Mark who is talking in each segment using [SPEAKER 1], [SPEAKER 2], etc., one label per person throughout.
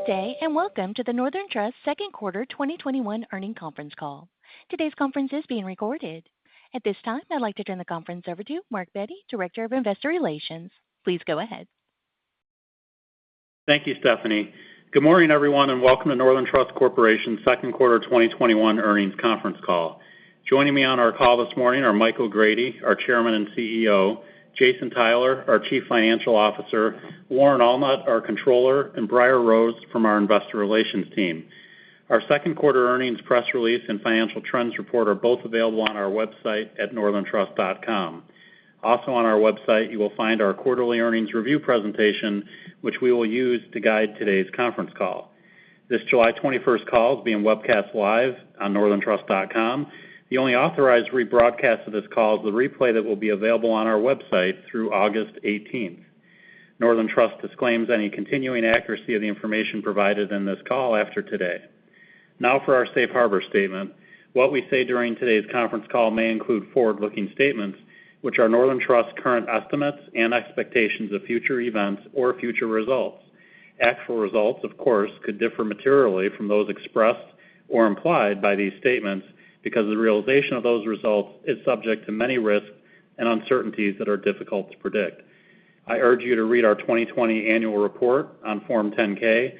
[SPEAKER 1] Good day. Welcome to the Northern Trust second quarter 2021 earnings conference call. Today's conference is being recorded. At this time, I'd like to turn the conference over to Mark Beatty, Director of Investor Relations. Please go ahead.
[SPEAKER 2] Thank you, Stephanie. Good morning, everyone, and welcome to Northern Trust Corporation second quarter 2021 earnings conference call. Joining me on our call this morning are Mike O'Grady, our Chairman and CEO, Jason Tyler, our Chief Financial Officer, Lauren Allnutt, our Controller, and Briar Rose from our Investor Relations team. Our second quarter earnings press release and financial trends report are both available on our website at northerntrust.com. Also on our website, you will find our quarterly earnings review presentation, which we will use to guide today's conference call. This July 21st call is being webcast live on northerntrust.com. The only authorized rebroadcast of this call is the replay that will be available on our website through August 18th. Northern Trust disclaims any continuing accuracy of the information provided in this call after today. Now for our safe harbor statement. What we say during today's conference call may include forward-looking statements, which are Northern Trust's current estimates and expectations of future events or future results. Actual results, of course, could differ materially from those expressed or implied by these statements because the realization of those results is subject to many risks and uncertainties that are difficult to predict. I urge you to read our 2020 annual report on Form 10-K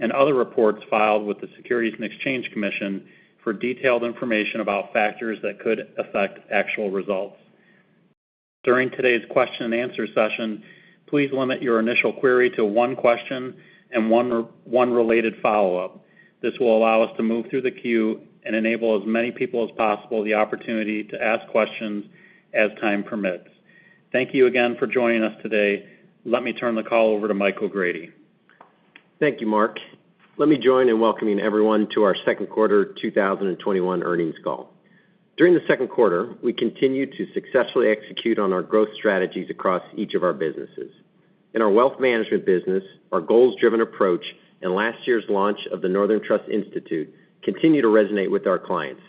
[SPEAKER 2] and other reports filed with the Securities and Exchange Commission for detailed information about factors that could affect actual results. During today's question and answer session, please limit your initial query to one question and one related follow-up. This will allow us to move through the queue and enable as many people as possible the opportunity to ask questions as time permits. Thank you again for joining us today. Let me turn the call over to Mike O'Grady.
[SPEAKER 3] Thank you, Mark. Let me join in welcoming everyone to our second quarter 2021 earnings call. During the second quarter, we continued to successfully execute on our growth strategies across each of our businesses. In our wealth management business, our goals-driven approach and last year's launch of the Northern Trust Institute continue to resonate with our clients,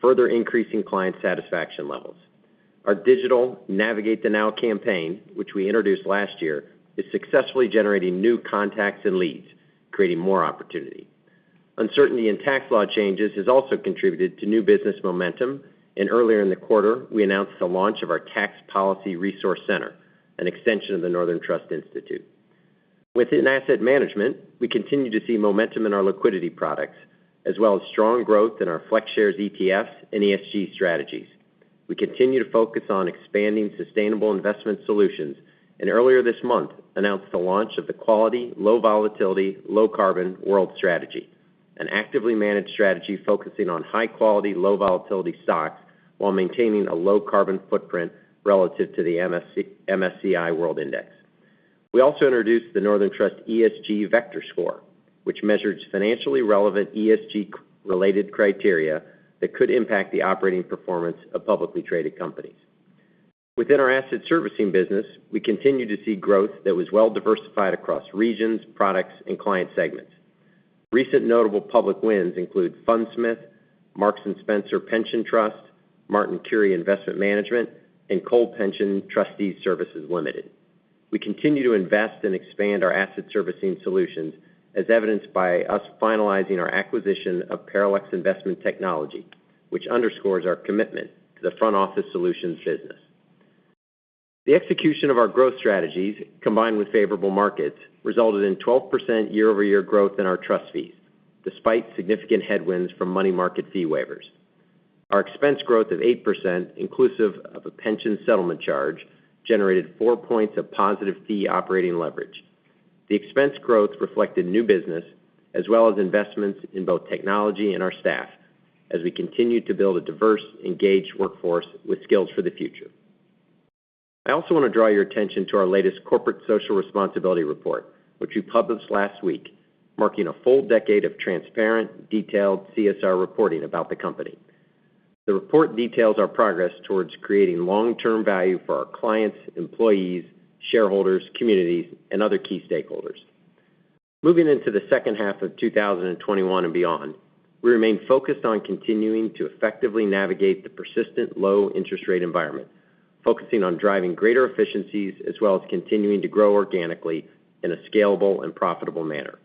[SPEAKER 3] further increasing client satisfaction levels. Our digital Navigate the Now campaign, which we introduced last year, is successfully generating new contacts and leads, creating more opportunity. Uncertainty in tax law changes has also contributed to new business momentum. Earlier in the quarter, we announced the launch of our Tax Policy Resource Center, an extension of the Northern Trust Institute. Within asset management, we continue to see momentum in our liquidity products, as well as strong growth in our FlexShares ETFs and ESG strategies. We continue to focus on expanding sustainable investment solutions, and earlier this month announced the launch of the Quality Low Volatility Low Carbon World Strategy, an actively managed strategy focusing on high-quality, low volatility stocks while maintaining a low carbon footprint relative to the MSCI World Index. We also introduced the Northern Trust ESG Vector Score, which measures financially relevant ESG-related criteria that could impact the operating performance of publicly traded companies. Within our asset servicing business, we continue to see growth that was well diversified across regions, products, and client segments. Recent notable public wins include Fundsmith, Marks & Spencer Pension Trust, Martin Currie Investment Management, and Coal Pension Trustees Services Limited. We continue to invest and expand our asset servicing solutions, as evidenced by us finalizing our acquisition of Parilux Investment Technology, which underscores our commitment to the front office solutions business. The execution of our growth strategies, combined with favorable markets, resulted in 12% year-over-year growth in our trust fees, despite significant headwinds from money market fee waivers. Our expense growth of 8%, inclusive of a pension settlement charge, generated four points of positive fee operating leverage. The expense growth reflected new business, as well as investments in both technology and our staff as we continue to build a diverse, engaged workforce with skills for the future. I also want to draw your attention to our latest corporate social responsibility report, which we published last week, marking a full decade of transparent, detailed CSR reporting about the company. The report details our progress towards creating long-term value for our clients, employees, shareholders, communities, and other key stakeholders. Moving into the second half of 2021 and beyond, we remain focused on continuing to effectively navigate the persistent low interest rate environment, focusing on driving greater efficiencies as well as continuing to grow organically in a scalable and profitable manner.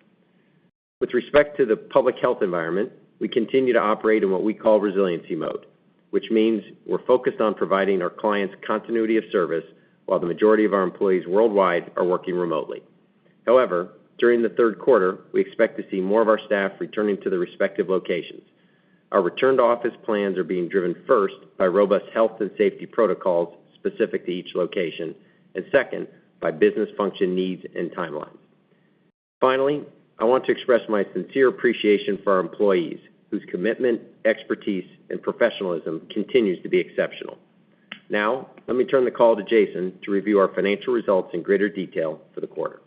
[SPEAKER 3] With respect to the public health environment, we continue to operate in what we call resiliency mode, which means we're focused on providing our clients continuity of service while the majority of our employees worldwide are working remotely. However, during the third quarter, we expect to see more of our staff returning to their respective locations. Our return-to-office plans are being driven first by robust health and safety protocols specific to each location, and second by business function needs and timelines. Finally, I want to express my sincere appreciation for our employees whose commitment, expertise, and professionalism continues to be exceptional. Now, let me turn the call to Jason to review our financial results in greater detail for the quarter.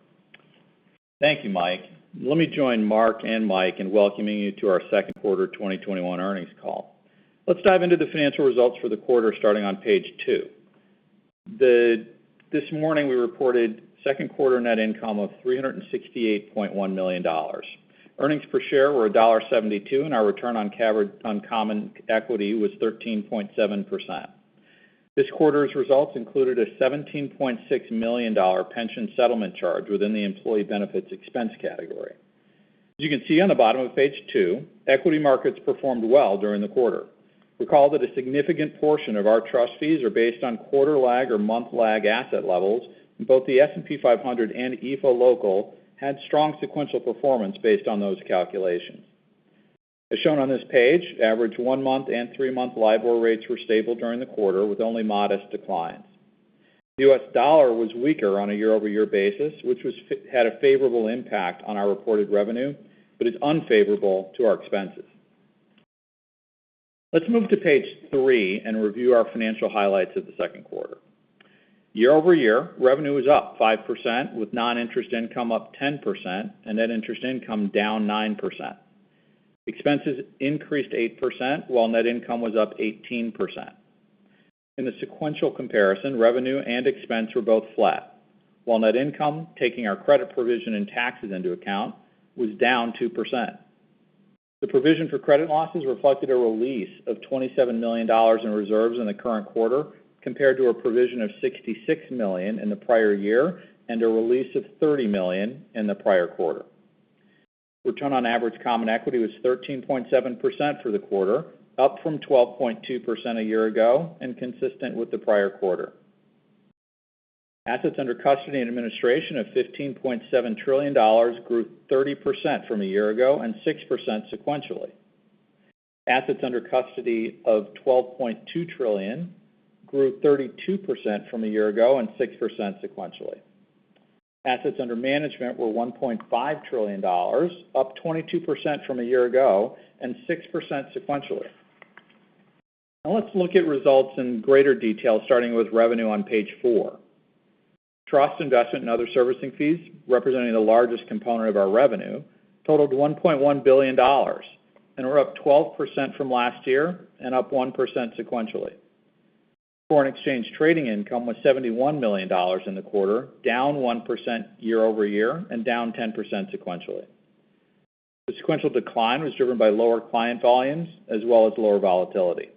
[SPEAKER 4] Thank you, Mike. Let me join Mark and Mike in welcoming you to our second quarter 2021 earnings call. Let's dive into the financial results for the quarter starting on page two. This morning we reported second quarter net income of $368.1 million. Earnings per share were $1.72 and our return on common equity was 13.7%. This quarter's results included a $17.6 million pension settlement charge within the employee benefits expense category. As you can see on the bottom of page two, equity markets performed well during the quarter. Recall that a significant portion of our trust fees are based on quarter lag or month lag asset levels, and both the S&P 500 and EAFE Local had strong sequential performance based on those calculations. As shown on this page, average one-month and three-month LIBOR rates were stable during the quarter, with only modest declines. The U.S. dollar was weaker on a year-over-year basis, which had a favorable impact on our reported revenue, but is unfavorable to our expenses. Let's move to page 3 and review our financial highlights of the second quarter. Year-over-year, revenue is up 5%, with non-interest income up 10% and net interest income down 9%. Expenses increased 8%, while net income was up 18%. In the sequential comparison, revenue and expense were both flat. Net income, taking our credit provision and taxes into account, was down 2%. The provision for credit losses reflected a release of $27 million in reserves in the current quarter, compared to a provision of $66 million in the prior year, and a release of $30 million in the prior quarter. Return on average common equity was 13.7% for the quarter, up from 12.2% a year ago and consistent with the prior quarter. Assets under custody and administration of $15.7 trillion grew 30% from a year ago and 6% sequentially. Assets under custody of $12.2 trillion grew 32% from a year ago and 6% sequentially. Assets under management were $1.5 trillion, up 22% from a year ago, and 6% sequentially. Let's look at results in greater detail, starting with revenue on page 4. Trust investment and other servicing fees, representing the largest component of our revenue, totaled $1.1 billion, and were up 12% from last year and up 1% sequentially. Foreign exchange trading income was $71 million in the quarter, down 1% year-over-year and down 10% sequentially. The sequential decline was driven by lower client volumes as well as lower volatility.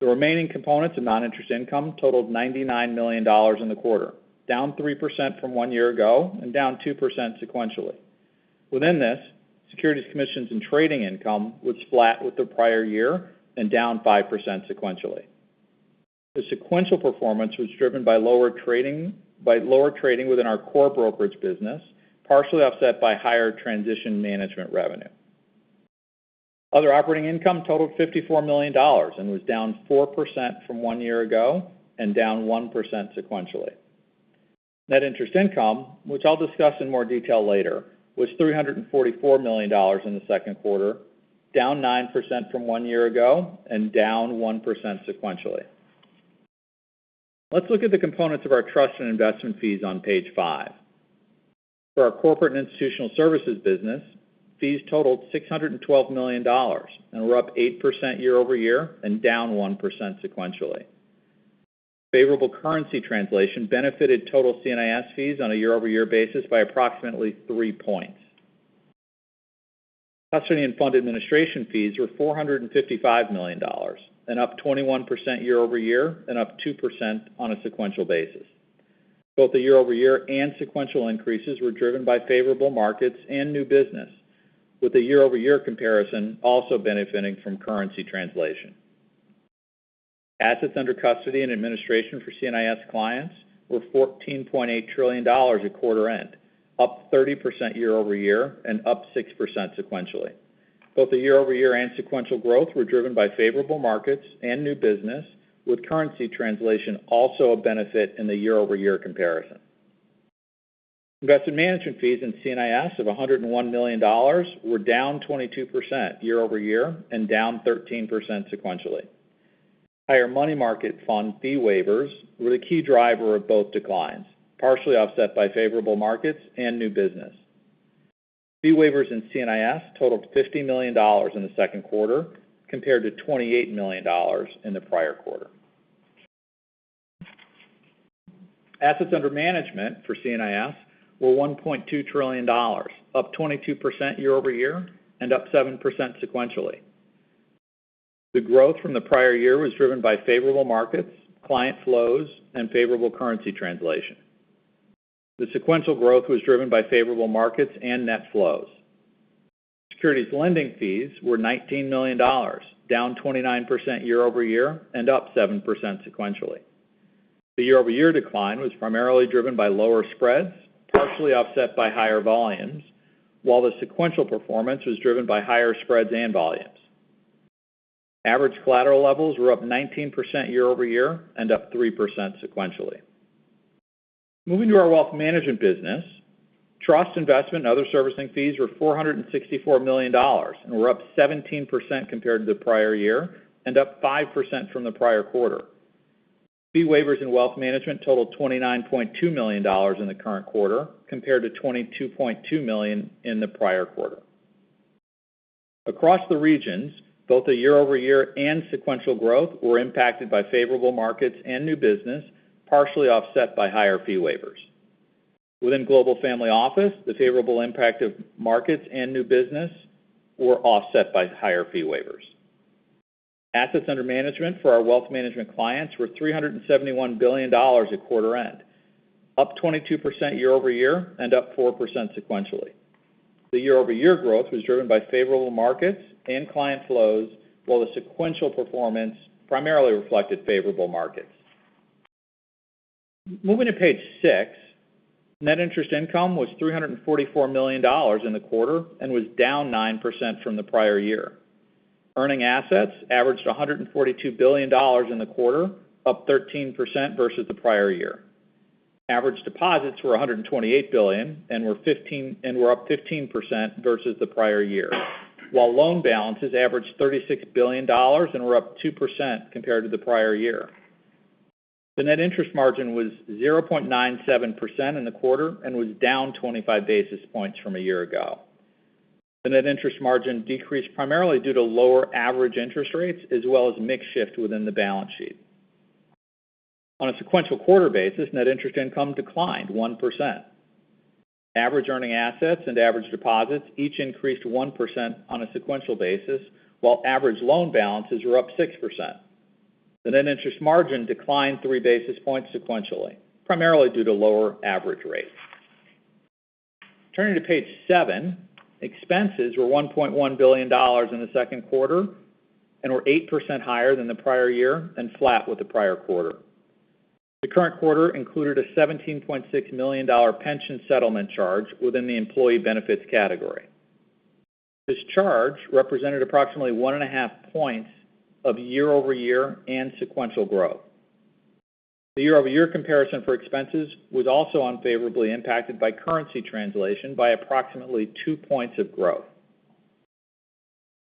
[SPEAKER 4] The remaining components of non-interest income totaled $99 million in the quarter, down 3% from one year ago and down 2% sequentially. Within this, securities commissions and trading income was flat with the prior year and down 5% sequentially. The sequential performance was driven by lower trading within our core brokerage business, partially offset by higher transition management revenue. Other operating income totaled $54 million and was down 4% from one year ago and down 1% sequentially. Net interest income, which I'll discuss in more detail later, was $344 million in the second quarter, down 9% from one year ago and down 1% sequentially. Let's look at the components of our trust and investment fees on page five. For our corporate and institutional services business, fees totaled $612 million and were up 8% year-over-year and down 1% sequentially. Favorable currency translation benefited total C&IS fees on a year-over-year basis by approximately 3 points. Custody and fund administration fees were $455 million, and up 21% year-over-year and up 2% on a sequential basis. Both the year-over-year and sequential increases were driven by favorable markets and new business, with the year-over-year comparison also benefiting from currency translation. Assets under custody and administration for C&IS clients were $14.8 trillion at quarter end, up 30% year-over-year and up 6% sequentially. Both the year-over-year and sequential growth were driven by favorable markets and new business, with currency translation also a benefit in the year-over-year comparison. Investment management fees in C&IS of $101 million were down 22% year-over-year and down 13% sequentially. Higher money market fund fee waivers were the key driver of both declines, partially offset by favorable markets and new business. Fee waivers in C&IS totaled $50 million in the second quarter, compared to $28 million in the prior quarter. Assets under management for C&IS were $1.2 trillion, up 22% year-over-year and up 7% sequentially. The growth from the prior year was driven by favorable markets, client flows, and favorable currency translation. The sequential growth was driven by favorable markets and net flows. Securities lending fees were $19 million, down 29% year-over-year and up 7% sequentially. The year-over-year decline was primarily driven by lower spreads, partially offset by higher volumes, while the sequential performance was driven by higher spreads and volumes. Average collateral levels were up 19% year-over-year and up 3% sequentially. Moving to our wealth management business, trust investment and other servicing fees were $464 million, and were up 17% compared to the prior year and up 5% from the prior quarter. Fee waivers in wealth management totaled $29.2 million in the current quarter, compared to $22.2 million in the prior quarter. Across the regions, both the year-over-year and sequential growth were impacted by favorable markets and new business, partially offset by higher fee waivers. Within Global Family Office, the favorable impact of markets and new business were offset by higher fee waivers. Assets under management for our wealth management clients were $371 billion at quarter end, up 22% year-over-year and up 4% sequentially. The year-over-year growth was driven by favorable markets and client flows, while the sequential performance primarily reflected favorable markets. Moving to page six, net interest income was $344 million in the quarter and was down 9% from the prior year. Earning assets averaged $142 billion in the quarter, up 13% versus the prior year. Average deposits were $128 billion and were up 15% versus the prior year, while loan balances averaged $36 billion and were up 2% compared to the prior year. The net interest margin was 0.97% in the quarter and was down 25 basis points from a year ago. The net interest margin decreased primarily due to lower average interest rates as well as mix shift within the balance sheet. On a sequential quarter basis, net interest income declined 1%. Average earning assets and average deposits each increased 1% on a sequential basis, while average loan balances were up 6%. The net interest margin declined three basis points sequentially, primarily due to lower average rates. Turning to page seven, expenses were $1.1 billion in the second quarter and were 8% higher than the prior year and flat with the prior quarter. The current quarter included a $17.6 million pension settlement charge within the employee benefits category. This charge represented approximately one and a half points of year-over-year and sequential growth. The year-over-year comparison for expenses was also unfavorably impacted by currency translation by approximately two points of growth.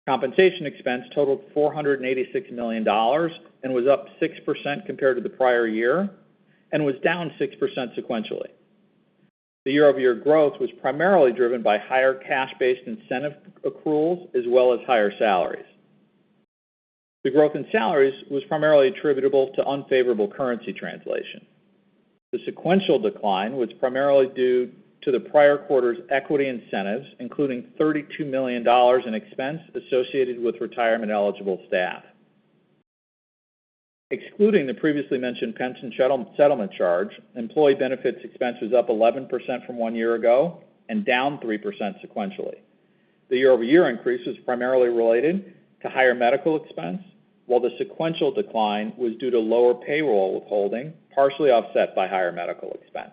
[SPEAKER 4] Compensation expense totaled $486 million and was up 6% compared to the prior year and was down 6% sequentially. The year-over-year growth was primarily driven by higher cash-based incentive accruals as well as higher salaries. The growth in salaries was primarily attributable to unfavorable currency translation. The sequential decline was primarily due to the prior quarter's equity incentives, including $32 million in expense associated with retirement-eligible staff. Excluding the previously mentioned pension settlement charge, employee benefits expense was up 11% from one year ago and down 3% sequentially. The year-over-year increase was primarily related to higher medical expense, while the sequential decline was due to lower payroll withholding, partially offset by higher medical expense.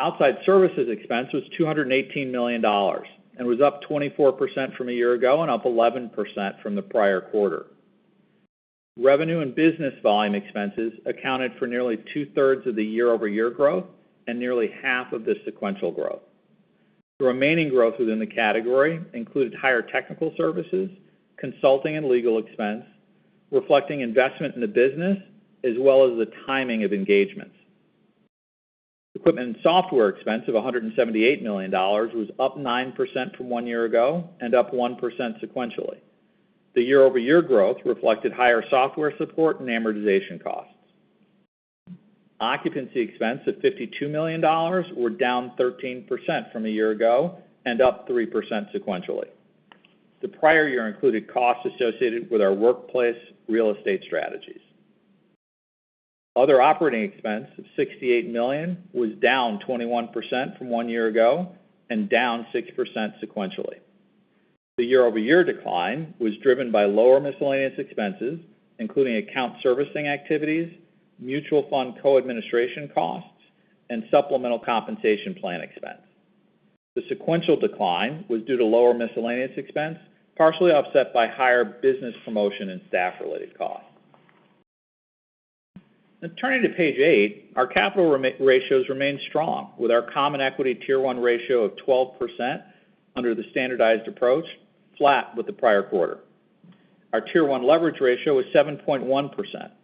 [SPEAKER 4] Outside services expense was $218 million and was up 24% from a year ago and up 11% from the prior quarter. Revenue and business volume expenses accounted for nearly two-thirds of the year-over-year growth and nearly half of the sequential growth. The remaining growth within the category included higher technical services, consulting, and legal expense, reflecting investment in the business as well as the timing of engagements. Equipment and software expense of $178 million was up 9% from one year-ago and up 1% sequentially. The year-over-year growth reflected higher software support and amortization costs. Occupancy expense at $52 million were down 13% from a year-ago and up 3% sequentially. The prior year included costs associated with our workplace real estate strategies. Other operating expense of $68 million was down 21% from 1 year-ago and down 6% sequentially. The year-over-year decline was driven by lower miscellaneous expenses, including account servicing activities, mutual fund co-administration costs, and supplemental compensation plan expense. The sequential decline was due to lower miscellaneous expense, partially offset by higher business promotion and staff-related costs. Now turning to page 8, our capital ratios remain strong with our common equity Tier 1 ratio of 12% under the standardized approach, flat with the prior quarter. Our Tier 1 leverage ratio is 7.1%,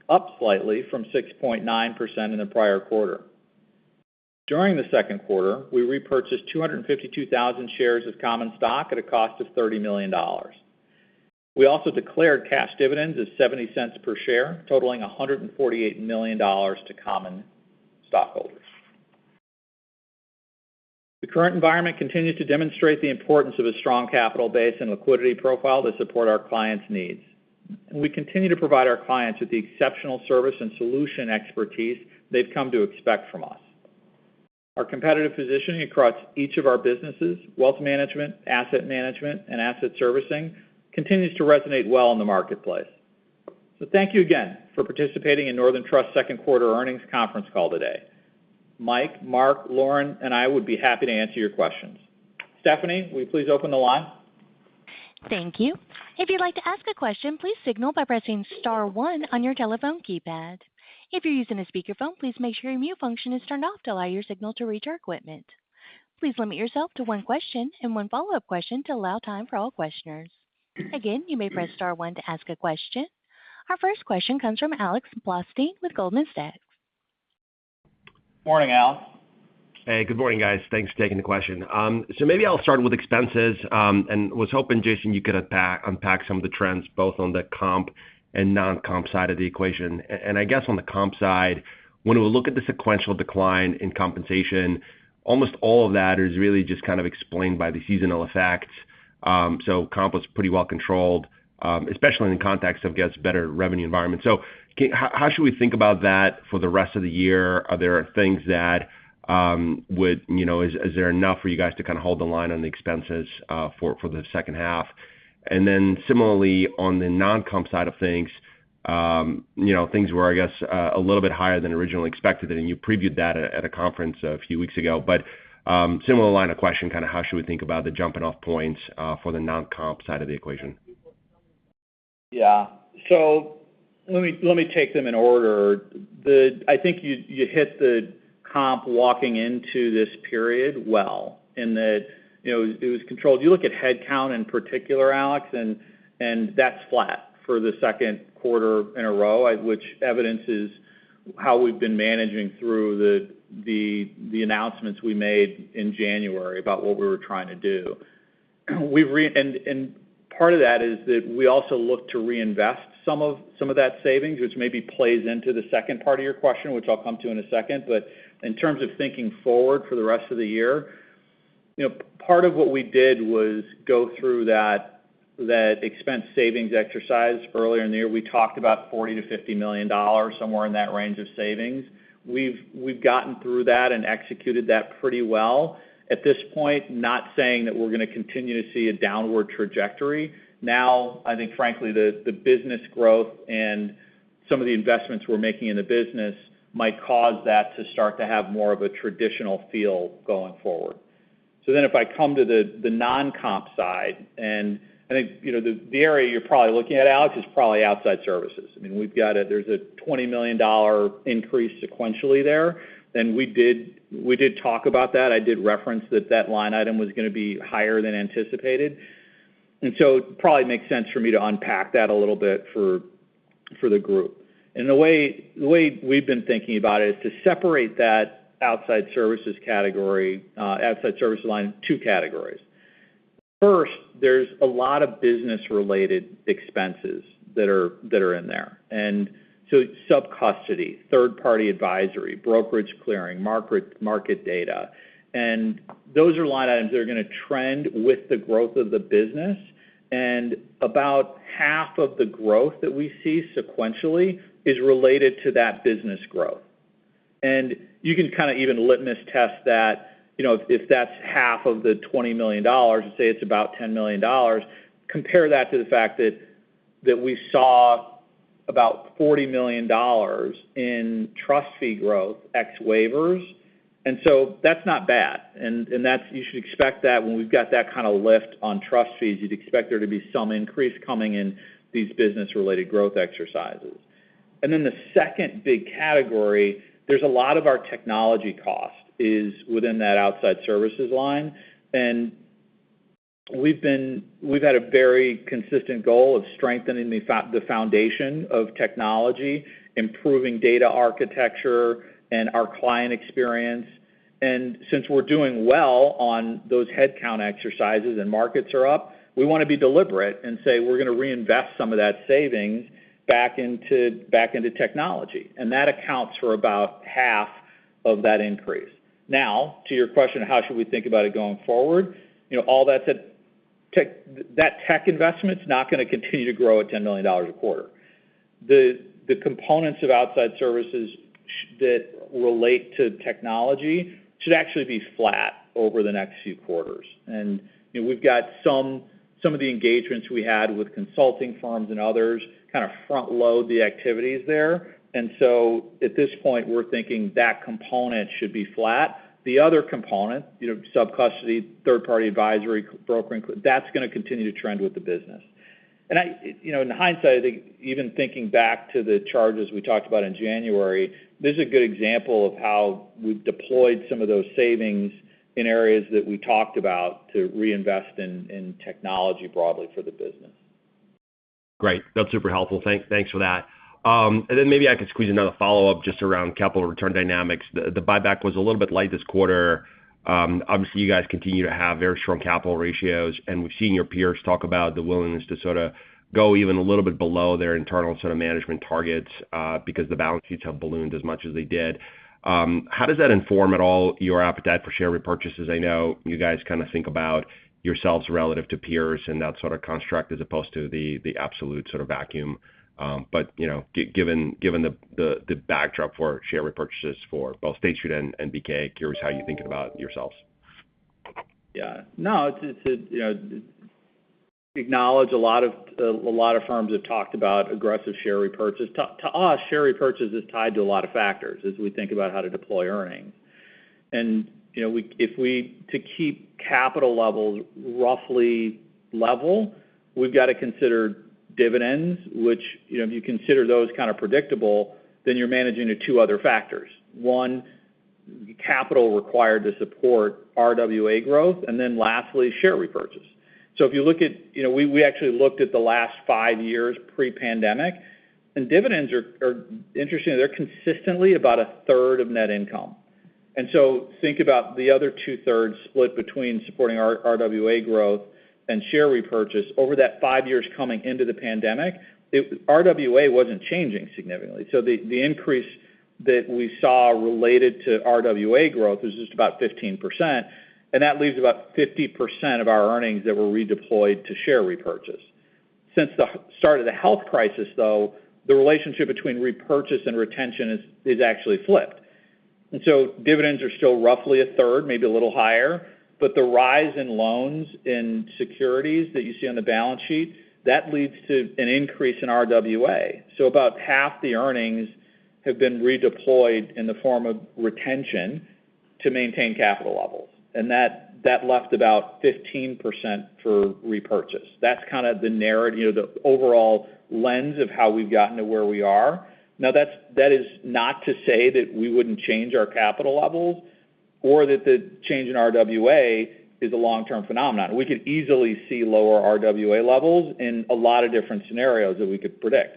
[SPEAKER 4] up slightly from 6.9% in the prior quarter. During the second quarter, we repurchased 252,000 shares of common stock at a cost of $30 million. We also declared cash dividends of $0.70 per share, totaling $148 million to common stockholders. The current environment continues to demonstrate the importance of a strong capital base and liquidity profile to support our clients' needs. We continue to provide our clients with the exceptional service and solution expertise they've come to expect from us. Our competitive positioning across each of our businesses, wealth management, asset management, and asset servicing, continues to resonate well in the marketplace. Thank you again for participating in Northern Trust's second quarter earnings conference call today. Mike, Mark, Lauren, and I would be happy to answer your questions. Stephanie, will you please open the line?
[SPEAKER 1] Our first question comes from Alex Blostein with Goldman Sachs.
[SPEAKER 4] Morning, Alex.
[SPEAKER 5] Good morning, guys. Thanks for taking the question. Maybe I'll start with expenses, and was hoping, Jason, you could unpack some of the trends, both on the comp and non-comp side of the equation. I guess on the comp side, when we look at the sequential decline in compensation, almost all of that is really just kind of explained by the seasonal effects. Comp was pretty well controlled, especially in the context of, I guess, better revenue environment. How should we think about that for the rest of the year? Is there enough for you guys to kind of hold the line on the expenses for the second half? Similarly, on the non-comp side of things were, I guess, a little bit higher than originally expected, and you previewed that at a conference a few weeks ago. Similar line of question, kind of how should we think about the jumping off points for the non-comp side of the equation?
[SPEAKER 4] Yeah. Let me take them in order. I think you hit the comp walking into this period well, in that it was controlled. You look at headcount in particular, Alex, that's flat for the second quarter in a row, which evidences how we've been managing through the announcements we made in January about what we were trying to do. Part of that is that we also look to reinvest some of that savings, which maybe plays into the second part of your question, which I'll come to in a second. In terms of thinking forward for the rest of the year, part of what we did was go through that expense savings exercise earlier in the year. We talked about $40 million-$50 million, somewhere in that range of savings. We've gotten through that and executed that pretty well. At this point, not saying that we're going to continue to see a downward trajectory. I think frankly, the business growth and some of the investments we're making in the business might cause that to start to have more of a traditional feel going forward. If I come to the non-comp side, and I think the area you're probably looking at, Alex, is probably outside services. I mean, there's a $20 million increase sequentially there. We did talk about that. I did reference that that line item was going to be higher than anticipated. It probably makes sense for me to unpack that a little bit for the group. The way we've been thinking about it is to separate that outside services category, outside services line, in two categories. First, there's a lot of business-related expenses that are in there. Subcustody, third-party advisory, brokerage clearing, market data. Those are line items that are going to trend with the growth of the business. About half of the growth that we see sequentially is related to that business growth. You can kind of even litmus test that, if that's half of the $20 million, let's say it's about $10 million, compare that to the fact that we saw about $40 million in trust fee growth, ex waivers. That's not bad. You should expect that when we've got that kind of lift on trust fees, you'd expect there to be some increase coming in these business-related growth exercises. The second big category, there's a lot of our technology cost is within that outside services line. We've had a very consistent goal of strengthening the foundation of technology, improving data architecture, and our client experience. Since we're doing well on those headcount exercises and markets are up, we want to be deliberate and say we're going to reinvest some of that savings back into technology. That accounts for about half of that increase. Now, to your question, how should we think about it going forward? That tech investment's not going to continue to grow at $10 million a quarter. The components of outside services that relate to technology should actually be flat over the next few quarters. We've got some of the engagements we had with consulting firms and others kind of front-load the activities there. At this point, we're thinking that component should be flat. The other component, subcustody, third-party advisory, brokering, that's going to continue to trend with the business. In hindsight, I think even thinking back to the charges we talked about in January, this is a good example of how we've deployed some of those savings in areas that we talked about to reinvest in technology broadly for the business.
[SPEAKER 5] Great. That's super helpful. Thanks for that. Maybe I could squeeze another follow-up just around capital return dynamics. The buyback was a little bit light this quarter. You guys continue to have very strong capital ratios, and we've seen your peers talk about the willingness to sort of go even a little bit below their internal sort of management targets because the balance sheets have ballooned as much as they did. How does that inform at all your appetite for share repurchases? I know you guys kind of think about yourselves relative to peers and that sort of construct as opposed to the absolute sort of vacuum. Given the backdrop for share repurchases for both State Street and BK, curious how you're thinking about yourselves.
[SPEAKER 4] Yeah. No. Acknowledge a lot of firms have talked about aggressive share repurchase. To us, share repurchase is tied to a lot of factors as we think about how to deploy earnings. To keep capital levels roughly level, we've got to consider dividends, which if you consider those kind of predictable, then you're managing to 2 other factors. One, capital required to support RWA growth, lastly, share repurchase. We actually looked at the last five years pre-pandemic, dividends are interesting. They're consistently about a third of net income. Think about the other two-thirds split between supporting our RWA growth and share repurchase over that 5 years coming into the pandemic, RWA wasn't changing significantly. The increase that we saw related to RWA growth is just about 15%, and that leaves about 50% of our earnings that were redeployed to share repurchase. Since the start of the health crisis, though, the relationship between repurchase and retention is actually flipped. Dividends are still roughly a third, maybe a little higher, but the rise in loans and securities that you see on the balance sheet, that leads to an increase in RWA. About half the earnings have been redeployed in the form of retention to maintain capital levels. That left about 15% for repurchase. That's kind of the narrative, the overall lens of how we've gotten to where we are. That is not to say that we wouldn't change our capital levels or that the change in RWA is a long-term phenomenon. We could easily see lower RWA levels in a lot of different scenarios that we could predict.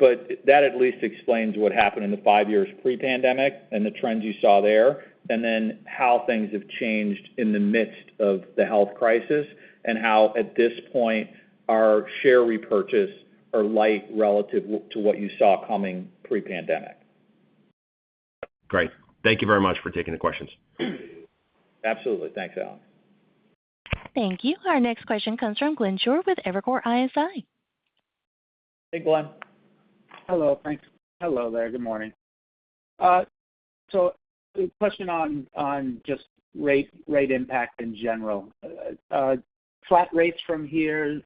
[SPEAKER 4] That at least explains what happened in the five years pre-pandemic and the trends you saw there, and then how things have changed in the midst of the health crisis, and how, at this point, our share repurchase are light relative to what you saw coming pre-pandemic.
[SPEAKER 5] Great. Thank you very much for taking the questions.
[SPEAKER 4] Absolutely. Thanks, Alex.
[SPEAKER 1] Thank you. Our next question comes from Glenn Schorr with Evercore ISI.
[SPEAKER 4] Hey, Glenn.
[SPEAKER 6] Hello, thanks. Hello there. Good morning. A question on just rate impact in general. Flat rates from here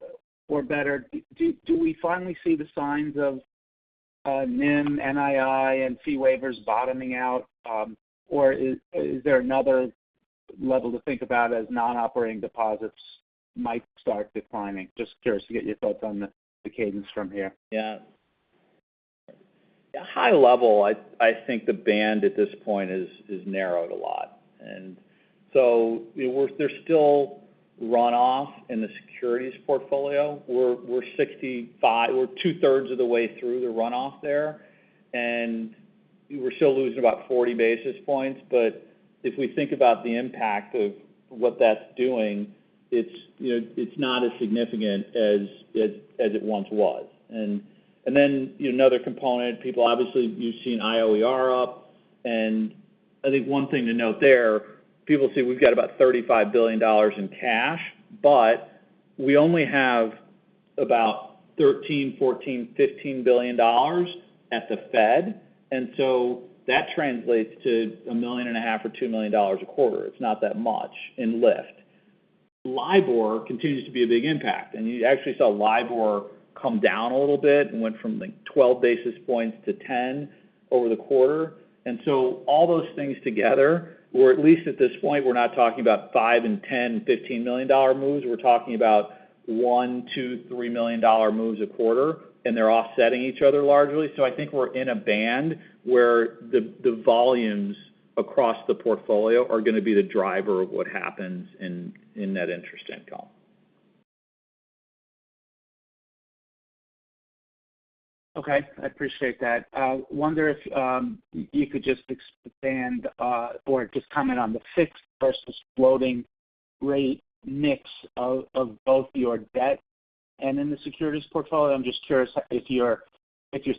[SPEAKER 6] or better, do we finally see the signs of NIM, NII, and fee waivers bottoming out? Is there another level to think about as non-operating deposits might start declining? Just curious to get your thoughts on the cadence from here.
[SPEAKER 4] Yeah. High level, I think the band at this point has narrowed a lot. There is still runoff in the securities portfolio. We are two-thirds of the way through the runoff there, and we are still losing about 40 basis points. If we think about the impact of what that is doing, it is not as significant as it once was. Another component, people, obviously, you have seen IOER up, and I think one thing to note there, people see we have got about $35 billion in cash, but we only have about $13, $14, $15 billion at the Fed. That translates to a million and a half or $2 million a quarter. It is not that much in lift. LIBOR continues to be a big impact. You actually saw LIBOR come down a little bit and went from 12 basis points to 10 over the quarter. All those things together, or at least at this point, we're not talking about five and 10, $15 million moves. We're talking about one, two, $3 million moves a quarter, and they're offsetting each other largely. I think we're in a band where the volumes across the portfolio are going to be the driver of what happens in net interest income.
[SPEAKER 6] Okay. I appreciate that. I wonder if you could just expand or just comment on the fixed versus floating rate mix of both your debt and in the securities portfolio. I'm just curious if you're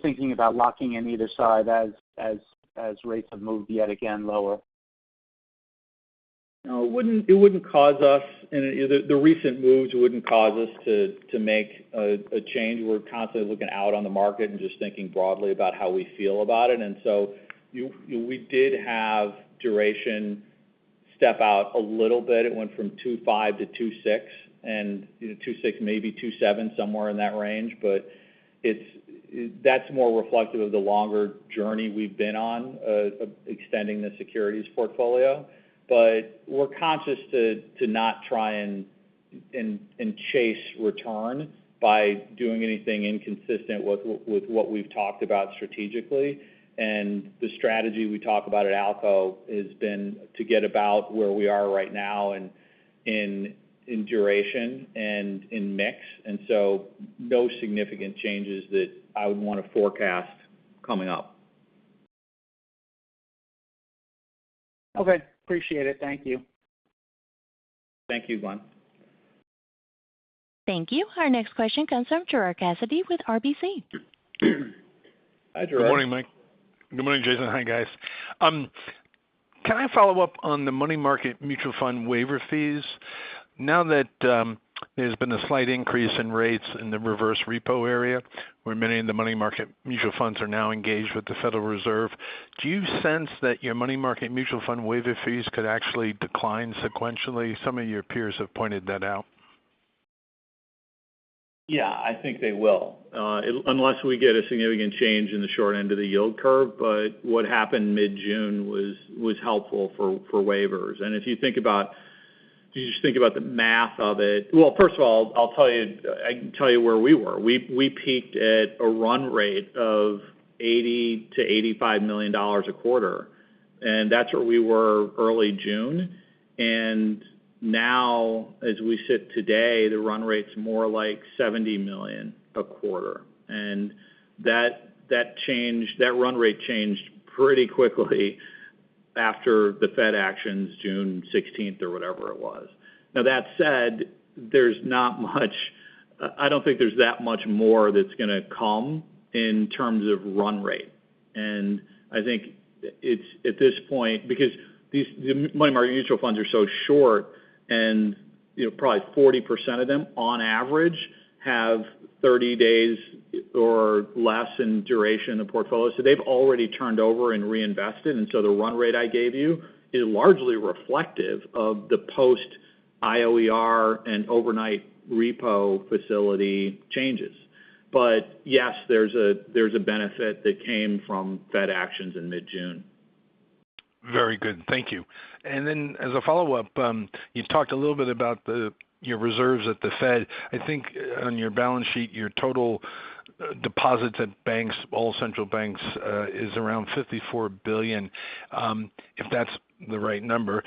[SPEAKER 6] thinking about locking in either side as rates have moved yet again lower.
[SPEAKER 4] No. The recent moves wouldn't cause us to make a change. We're constantly looking out on the market and just thinking broadly about how we feel about it. We did have duration step out a little bit. It went from 2.5 to 2.6, and 2.6, maybe 2.7, somewhere in that range. That's more reflective of the longer journey we've been on extending the securities portfolio. We're conscious to not try and chase return by doing anything inconsistent with what we've talked about strategically. The strategy we talk about at ALCO has been to get about where we are right now in duration and in mix. No significant changes that I would want to forecast coming up.
[SPEAKER 6] Okay. Appreciate it. Thank you.
[SPEAKER 4] Thank you, Glenn.
[SPEAKER 1] Thank you. Our next question comes from Gerard Cassidy with RBC.
[SPEAKER 4] Hi, Gerard.
[SPEAKER 7] Good morning, Mike. Good morning, Jason. Hi, guys. Can I follow up on the money market mutual fund waiver fees? Now that there's been a slight increase in rates in the reverse repo area, where many of the money market mutual funds are now engaged with the Federal Reserve, do you sense that your money market mutual fund waiver fees could actually decline sequentially? Some of your peers have pointed that out.
[SPEAKER 4] Yeah, I think they will. Unless we get a significant change in the short end of the yield curve, but what happened mid-June was helpful for waivers. If you just think about the math of it, first of all, I can tell you where we were. We peaked at a run rate of $80 million to $85 million a quarter. That's where we were early June. Now as we sit today, the run rate's more like $70 million a quarter. That run rate changed pretty quickly after the Fed actions June 16th, or whatever it was. Now that said, I don't think there's that much more that's going to come in terms of run rate. I think at this point, because the money market mutual funds are so short and probably 40% of them, on average, have 30 days or less in duration of portfolio. They've already turned over and reinvested, and so the run rate I gave you is largely reflective of the post-IOER and overnight repo facility changes. Yes, there's a benefit that came from Fed actions in mid-June.
[SPEAKER 7] Very good. Thank you. As a follow-up, you've talked a little bit about your reserves at the Fed. I think on your balance sheet, your total deposits at banks, all central banks, is around $54 billion, if that's the right number.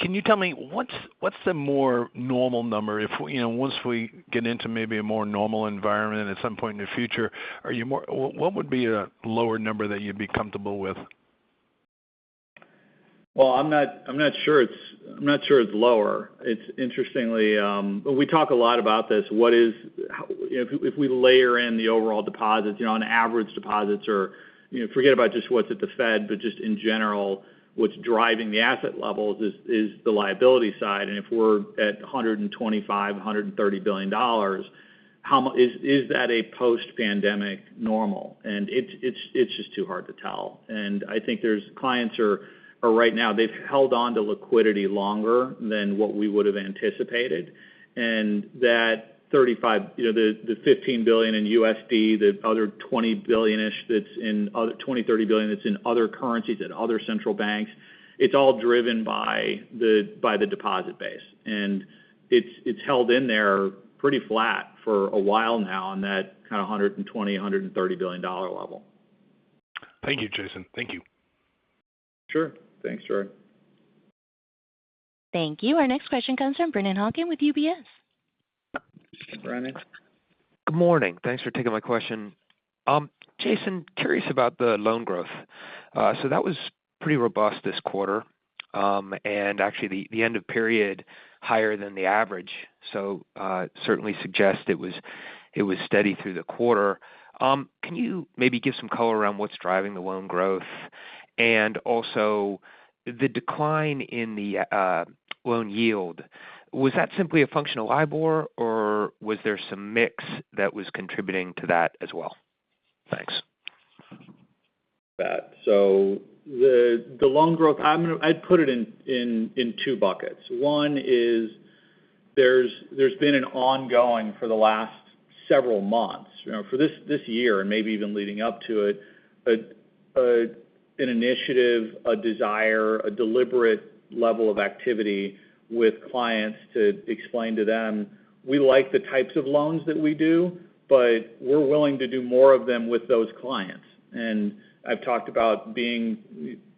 [SPEAKER 7] Can you tell me what's the more normal number? Once we get into maybe a more normal environment at some point in the future, what would be a lower number that you'd be comfortable with?
[SPEAKER 4] Well, I'm not sure it's lower. Interestingly, we talk a lot about this. If we layer in the overall deposits on average, forget about just what's at the Fed, but just in general, what's driving the asset levels is the liability side. If we're at $125 billion, $130 billion, is that a post-pandemic normal? It's just too hard to tell. I think clients are, right now, they've held onto liquidity longer than what we would've anticipated. The $15 billion in USD, the other $20 billion, $30 billion that's in other currencies at other central banks, it's all driven by the deposit base. It's held in there pretty flat for a while now on that kind of $120 billion, $130 billion level.
[SPEAKER 7] Thank you, Jason. Thank you.
[SPEAKER 4] Sure. Thanks, Gerard.
[SPEAKER 1] Thank you. Our next question comes from Brennan Hawken with UBS.
[SPEAKER 4] Brennan.
[SPEAKER 8] Good morning. Thanks for taking my question. Jason, curious about the loan growth. That was pretty robust this quarter. Actually, the end of period, higher than the average. Certainly suggest it was steady through the quarter. Can you maybe give some color around what's driving the loan growth? Also, the decline in the loan yield, was that simply a function of LIBOR, or was there some mix that was contributing to that as well? Thanks.
[SPEAKER 4] That. The loan growth, I'd put it in two buckets. One is there's been an ongoing for the last several months. For this year and maybe even leading up to it, an initiative, a desire, a deliberate level of activity with clients to explain to them, we like the types of loans that we do, we're willing to do more of them with those clients. I've talked about being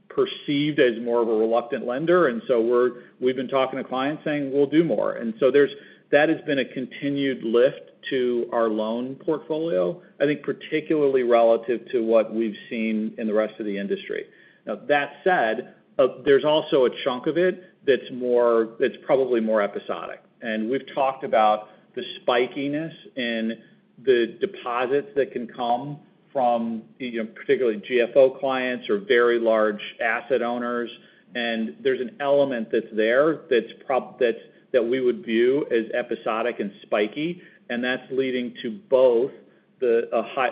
[SPEAKER 4] perceived as more of a reluctant lender, we've been talking to clients saying we'll do more. That has been a continued lift to our loan portfolio, I think particularly relative to what we've seen in the rest of the industry. Now, that said, there's also a chunk of it that's probably more episodic. We've talked about the spikiness in the deposits that can come from particularly GFO clients or very large asset owners. There's an element that's there that we would view as episodic and spiky, and that's leading to both a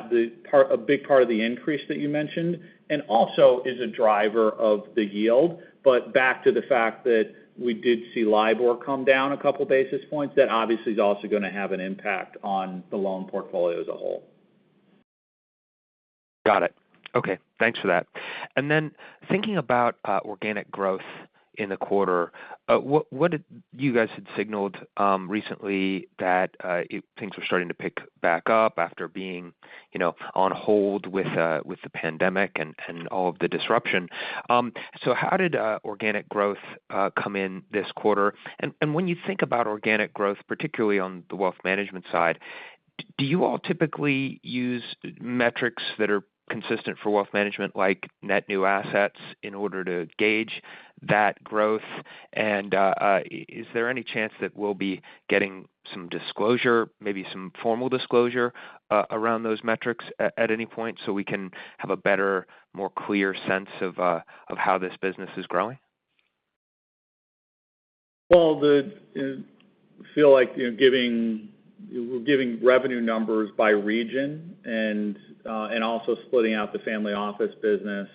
[SPEAKER 4] big part of the increase that you mentioned, and also is a driver of the yield. Back to the fact that we did see LIBOR come down 2 basis points, that obviously is also going to have an impact on the loan portfolio as a whole.
[SPEAKER 8] Got it. Okay. Thanks for that. Thinking about organic growth in the quarter, you guys had signaled recently that things were starting to pick back up after being on hold with the pandemic and all of the disruption. How did organic growth come in this quarter? When you think about organic growth, particularly on the wealth management side, do you all typically use metrics that are consistent for wealth management, like net new assets in order to gauge that growth? Is there any chance that we'll be getting some disclosure, maybe some formal disclosure, around those metrics at any point so we can have a better, more clear sense of how this business is growing?
[SPEAKER 4] Well, I feel like we're giving revenue numbers by region and also splitting out the family office business.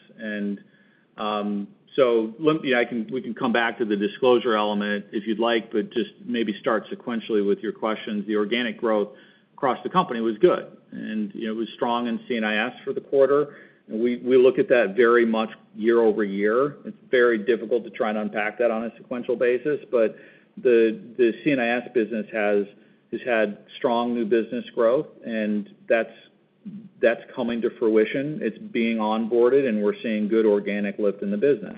[SPEAKER 4] We can come back to the disclosure element if you'd like, but just maybe start sequentially with your questions. The organic growth across the company was good, and it was strong in C&IS for the quarter. We look at that very much year-over-year. It's very difficult to try and unpack that on a sequential basis. The C&IS business has had strong new business growth, and that's That's coming to fruition. It's being onboarded, and we're seeing good organic lift in the business.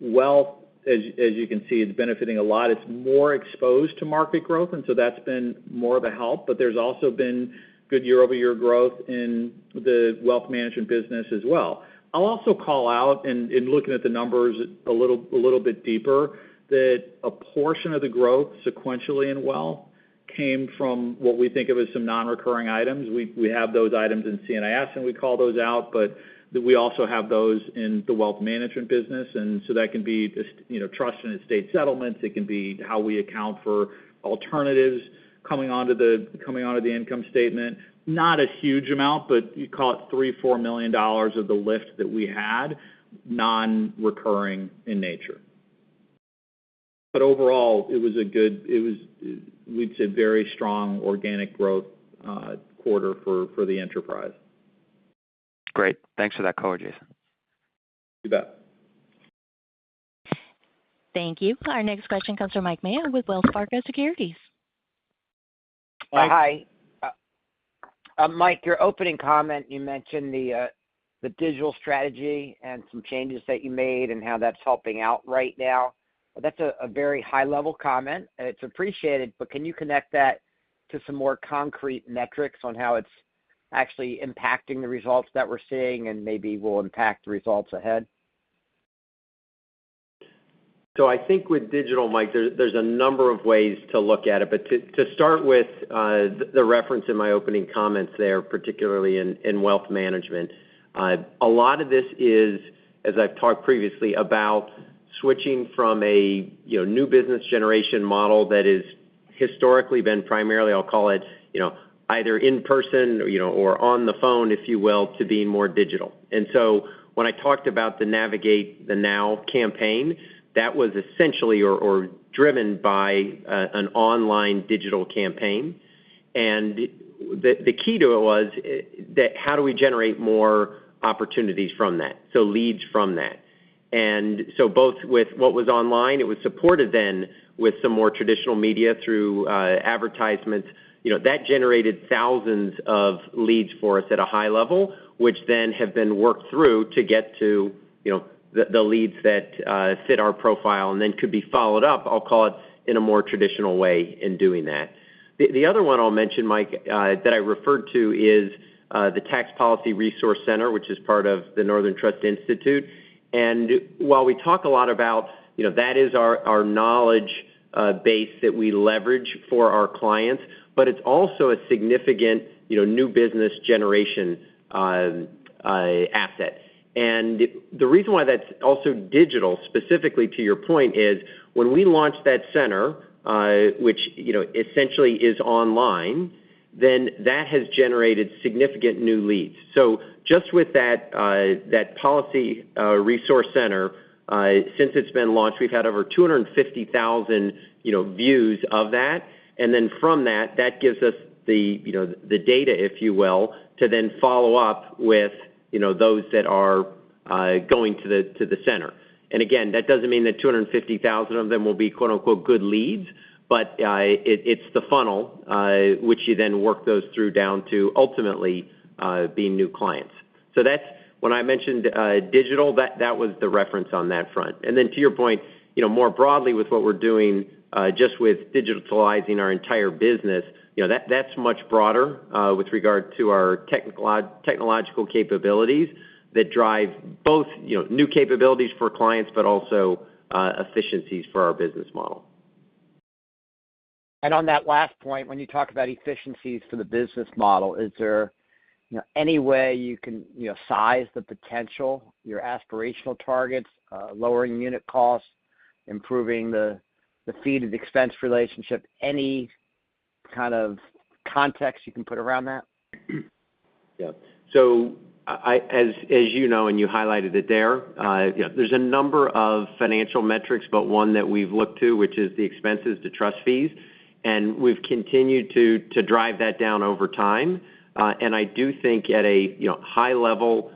[SPEAKER 4] Wealth, as you can see, it's benefiting a lot. It's more exposed to market growth, and so that's been more of a help, but there's also been good year-over-year growth in the Wealth Management business as well. I'll also call out, in looking at the numbers a little bit deeper, that a portion of the growth sequentially in wealth came from what we think of as some non-recurring items. We have those items in C&IS, and we call those out. We also have those in the Wealth Management business, and so that can be just trust and estate settlements. It can be how we account for alternatives coming onto the income statement. Not a huge amount, you call it $3 million-$4 million of the lift that we had, non-recurring in nature. Overall, it was a good, we'd say very strong organic growth quarter for the enterprise.
[SPEAKER 8] Great. Thanks for that color, Jason.
[SPEAKER 4] You bet.
[SPEAKER 1] Thank you. Our next question comes from Mike Mayo with Wells Fargo Securities.
[SPEAKER 9] Hi. Mike, your opening comment, you mentioned the digital strategy and some changes that you made and how that's helping out right now. That's a very high-level comment, and it's appreciated, but can you connect that to some more concrete metrics on how it's actually impacting the results that we're seeing and maybe will impact the results ahead?
[SPEAKER 3] I think with digital, Mike, there's a number of ways to look at it. To start with the reference in my opening comments there, particularly in wealth management, a lot of this is, as I've talked previously, about switching from a new business generation model that has historically been primarily, I'll call it, either in person or on the phone, if you will, to being more digital. When I talked about the Navigate the Now campaign, that was essentially, or driven by an online digital campaign. The key to it was, how do we generate more opportunities from that? Leads from that. Both with what was online, it was supported then with some more traditional media through advertisements. That generated thousands of leads for us at a high level, which then have been worked through to get to the leads that fit our profile and then could be followed up, I'll call it, in a more traditional way in doing that. The other one I'll mention, Mike, that I referred to is the Tax Policy Resource Center, which is part of the Northern Trust Institute. While we talk a lot about, that is our knowledge base that we leverage for our clients, but it's also a significant new business generation asset. The reason why that's also digital, specifically to your point, is when we launched that center, which essentially is online, then that has generated significant new leads. Just with that Policy Resource Center, since it's been launched, we've had over 250,000 views of that. From that gives us the data, if you will, to then follow up with those that are going to the center. That doesn't mean that 250,000 of them will be, quote-unquote, "good leads," but it's the funnel which you then work those through down to ultimately being new clients. When I mentioned digital, that was the reference on that front. To your point, more broadly with what we're doing just with digitalizing our entire business, that's much broader with regard to our technological capabilities that drive both new capabilities for clients, but also efficiencies for our business model.
[SPEAKER 9] On that last point, when you talk about efficiencies for the business model, is there any way you can size the potential, your aspirational targets, lowering unit costs, improving the fee to expense relationship? Any kind of context you can put around that?
[SPEAKER 3] Yeah. As you know, and you highlighted it there's a number of financial metrics, but one that we've looked to, which is the expenses to trust fees, and we've continued to drive that down over time. I do think at a high-level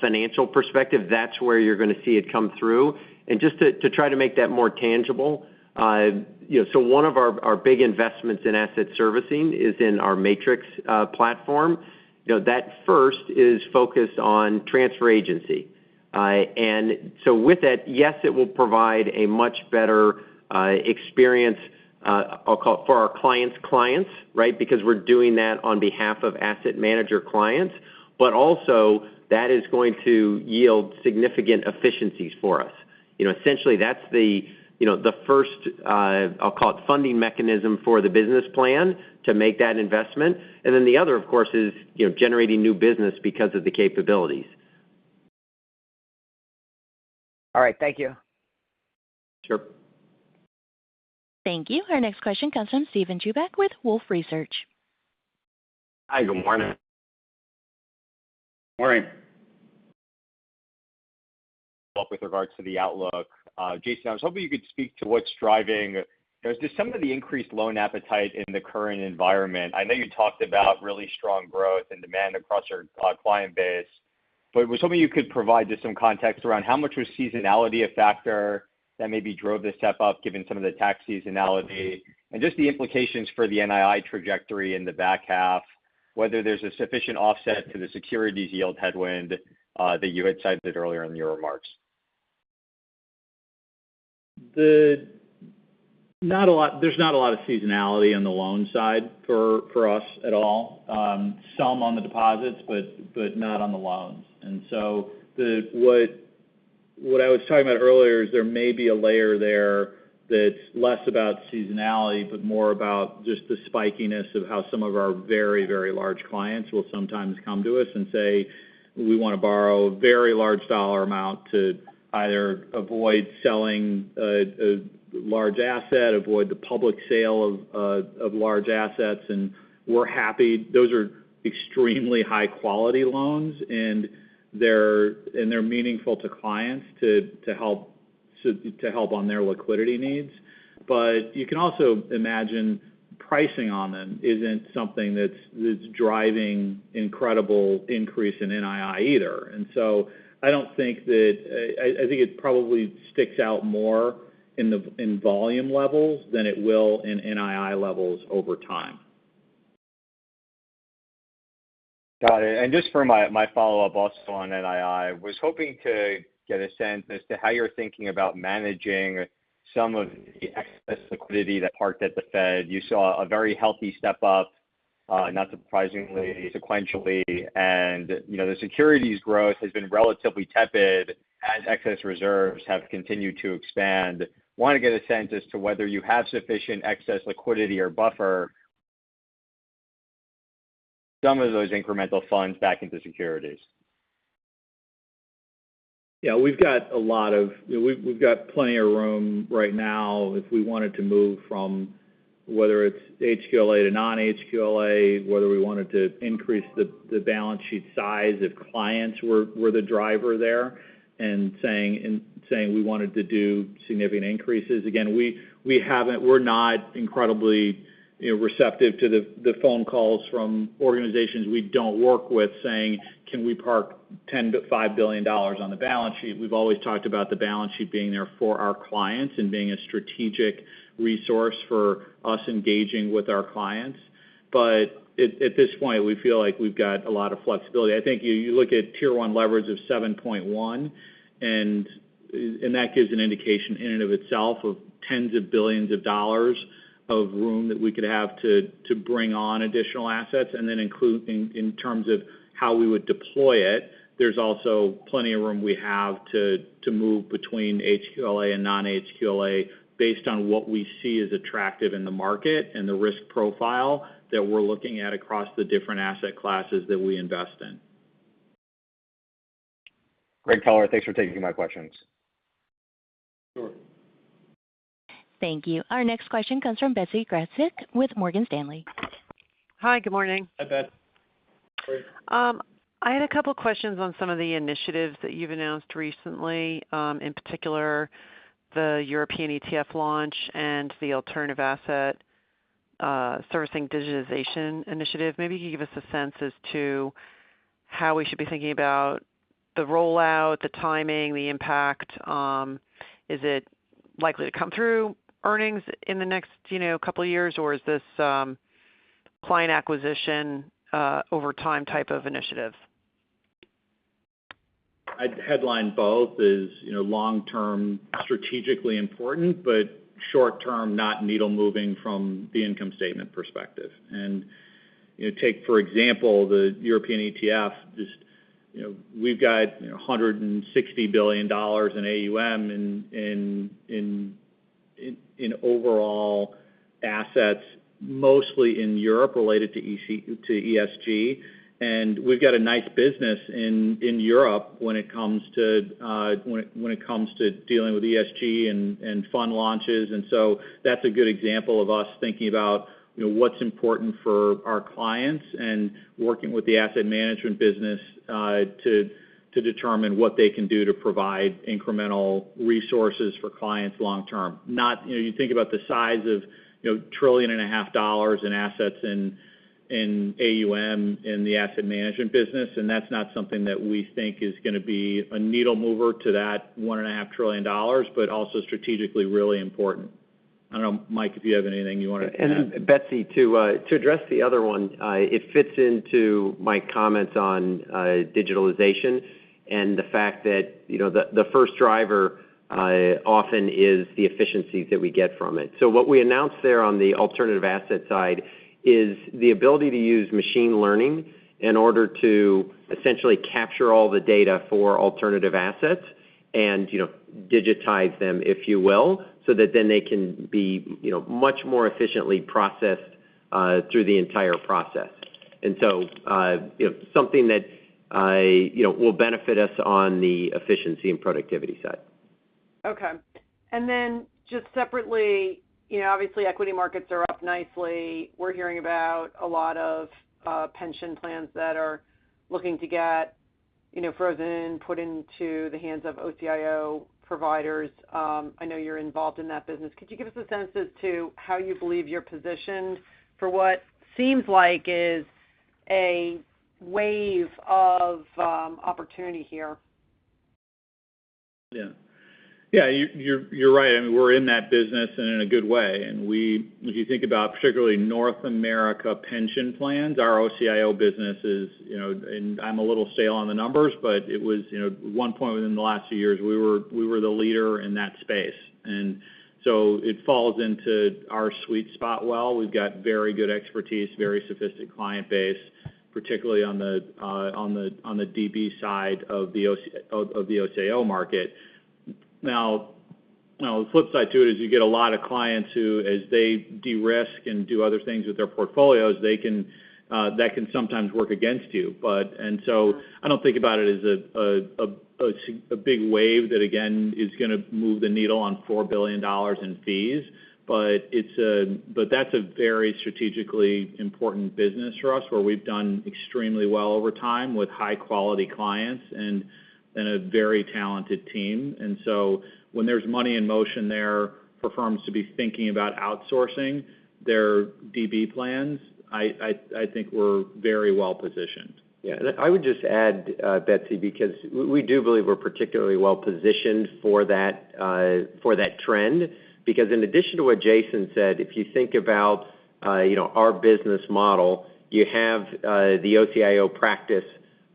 [SPEAKER 3] financial perspective, that's where you're going to see it come through. Just to try to make that more tangible, so one of our big investments in asset servicing is in our Matrix platform. That first is focused on transfer agency. With that, yes, it will provide a much better experience, I'll call it, for our clients' clients because we're doing that on behalf of asset manager clients. Also that is going to yield significant efficiencies for us. Essentially, that's the first, I'll call it, funding mechanism for the business plan to make that investment. The other, of course, is generating new business because of the capabilities.
[SPEAKER 9] All right. Thank you.
[SPEAKER 3] Sure.
[SPEAKER 1] Thank you. Our next question comes from Steven Chubak with Wolfe Research.
[SPEAKER 10] Hi, good morning.
[SPEAKER 3] Morning.
[SPEAKER 10] Well, with regards to the outlook, Jason, I was hoping you could speak to what's driving just some of the increased loan appetite in the current environment. I know you talked about really strong growth and demand across your client base. Was hoping you could provide just some context around how much was seasonality a factor that maybe drove this step up, given some of the tax seasonality, and just the implications for the NII trajectory in the back half, whether there's a sufficient offset to the securities yield headwind that you had cited earlier in your remarks.
[SPEAKER 4] There's not a lot of seasonality on the loan side for us at all. Some on the deposits, but not on the loans. What I was talking about earlier is there may be a layer there that's less about seasonality, but more about just the spikiness of how some of our very large clients will sometimes come to us and say, "We want to borrow a very large $ amount to either avoid selling a large asset, avoid the public sale of large assets." We're happy. Those are extremely high-quality loans, and they're meaningful to clients to help on their liquidity needs. You can also imagine pricing on them isn't something that's driving incredible increase in NII either. I think it probably sticks out more in volume levels than it will in NII levels over time.
[SPEAKER 10] Got it. Just for my follow-up also on NII, was hoping to get a sense as to how you're thinking about managing some of the excess liquidity that parked at the Fed. You saw a very healthy step up, not surprisingly, sequentially. The securities growth has been relatively tepid as excess reserves have continued to expand. I want to get a sense as to whether you have sufficient excess liquidity or buffer some of those incremental funds back into securities.
[SPEAKER 4] Yeah, we've got plenty of room right now if we wanted to move from whether it's HQLA to non-HQLA, whether we wanted to increase the balance sheet size if clients were the driver there, and saying we wanted to do significant increases. Again, we're not incredibly receptive to the phone calls from organizations we don't work with saying, "Can we park $10 billion-$5 billion on the balance sheet?" We've always talked about the balance sheet being there for our clients and being a strategic resource for us engaging with our clients. At this point, we feel like we've got a lot of flexibility. I think you look at Tier 1 leverage of 7.1%, and that gives an indication in and of itself of tens of billions of dollars of room that we could have to bring on additional assets. In terms of how we would deploy it, there's also plenty of room we have to move between HQLA and non-HQLA based on what we see is attractive in the market and the risk profile that we're looking at across the different asset classes that we invest in.
[SPEAKER 10] Great color. Thanks for taking my questions.
[SPEAKER 4] Sure.
[SPEAKER 1] Thank you. Our next question comes from Betsy Graseck with Morgan Stanley.
[SPEAKER 11] Hi, good morning.
[SPEAKER 4] Hi, Bet. Great.
[SPEAKER 11] I had a couple questions on some of the initiatives that you've announced recently, in particular the European ETF launch and the alternative asset servicing digitization initiative. Maybe you could give us a sense as to how we should be thinking about the rollout, the timing, the impact. Is it likely to come through earnings in the next couple of years, or is this client acquisition over time type of initiative?
[SPEAKER 4] I'd headline both as long-term strategically important, but short-term, not needle moving from the income statement perspective. Take, for example, the European ETF. We've got $160 billion in AUM in overall assets, mostly in Europe related to ESG. We've got a nice business in Europe when it comes to dealing with ESG and fund launches. That's a good example of us thinking about what's important for our clients and working with the asset management business to determine what they can do to provide incremental resources for clients long term. You think about the size of $1.5 trillion in assets in AUM in the asset management business, and that's not something that we think is going to be a needle mover to that $1.5 trillion, but also strategically really important. I don't know, Mike, if you have anything you want to add.
[SPEAKER 3] Betsy, to address the other one, it fits into my comments on digitalization and the fact that the first driver often is the efficiencies that we get from it. What we announced there on the alternative asset side is the ability to use machine learning in order to essentially capture all the data for alternative assets and digitize them, if you will, so that then they can be much more efficiently processed through the entire process. Something that will benefit us on the efficiency and productivity side.
[SPEAKER 11] Okay. Just separately, obviously equity markets are up nicely. We're hearing about a lot of pension plans that are looking to get frozen, put into the hands of OCIO providers. I know you're involved in that business. Could you give us a sense as to how you believe you're positioned for what seems like is a wave of opportunity here?
[SPEAKER 4] You're right. We're in that business and in a good way. If you think about particularly North America pension plans, our OCIO business is, and I'm a little stale on the numbers, but it was one point within the last few years, we were the leader in that space. It falls into our sweet spot well. We've got very good expertise, very sophisticated client base, particularly on the DB side of the OCIO market. Now, the flip side to it is you get a lot of clients who, as they de-risk and do other things with their portfolios, that can sometimes work against you. I don't think about it as a big wave that again is going to move the needle on $4 billion in fees. That's a very strategically important business for us, where we've done extremely well over time with high-quality clients and a very talented team. When there's money in motion there for firms to be thinking about outsourcing their DB plans, I think we're very well-positioned.
[SPEAKER 3] I would just add, Betsy, because we do believe we're particularly well-positioned for that trend because in addition to what Jason said, if you think about our business model, you have the OCIO practice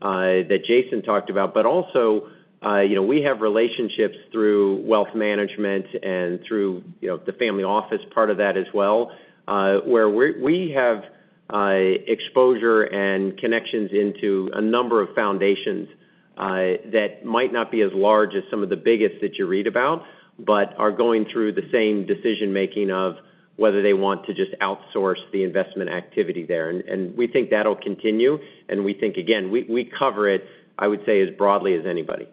[SPEAKER 3] that Jason talked about. Also we have relationships through wealth management and through the Global Family Office part of that as well, where we have exposure and connections into a number of foundations that might not be as large as some of the biggest that you read about, but are going through the same decision-making of whether they want to just outsource the investment activity there. We think that will continue, and we think, again, we cover it, I would say, as broadly as anybody.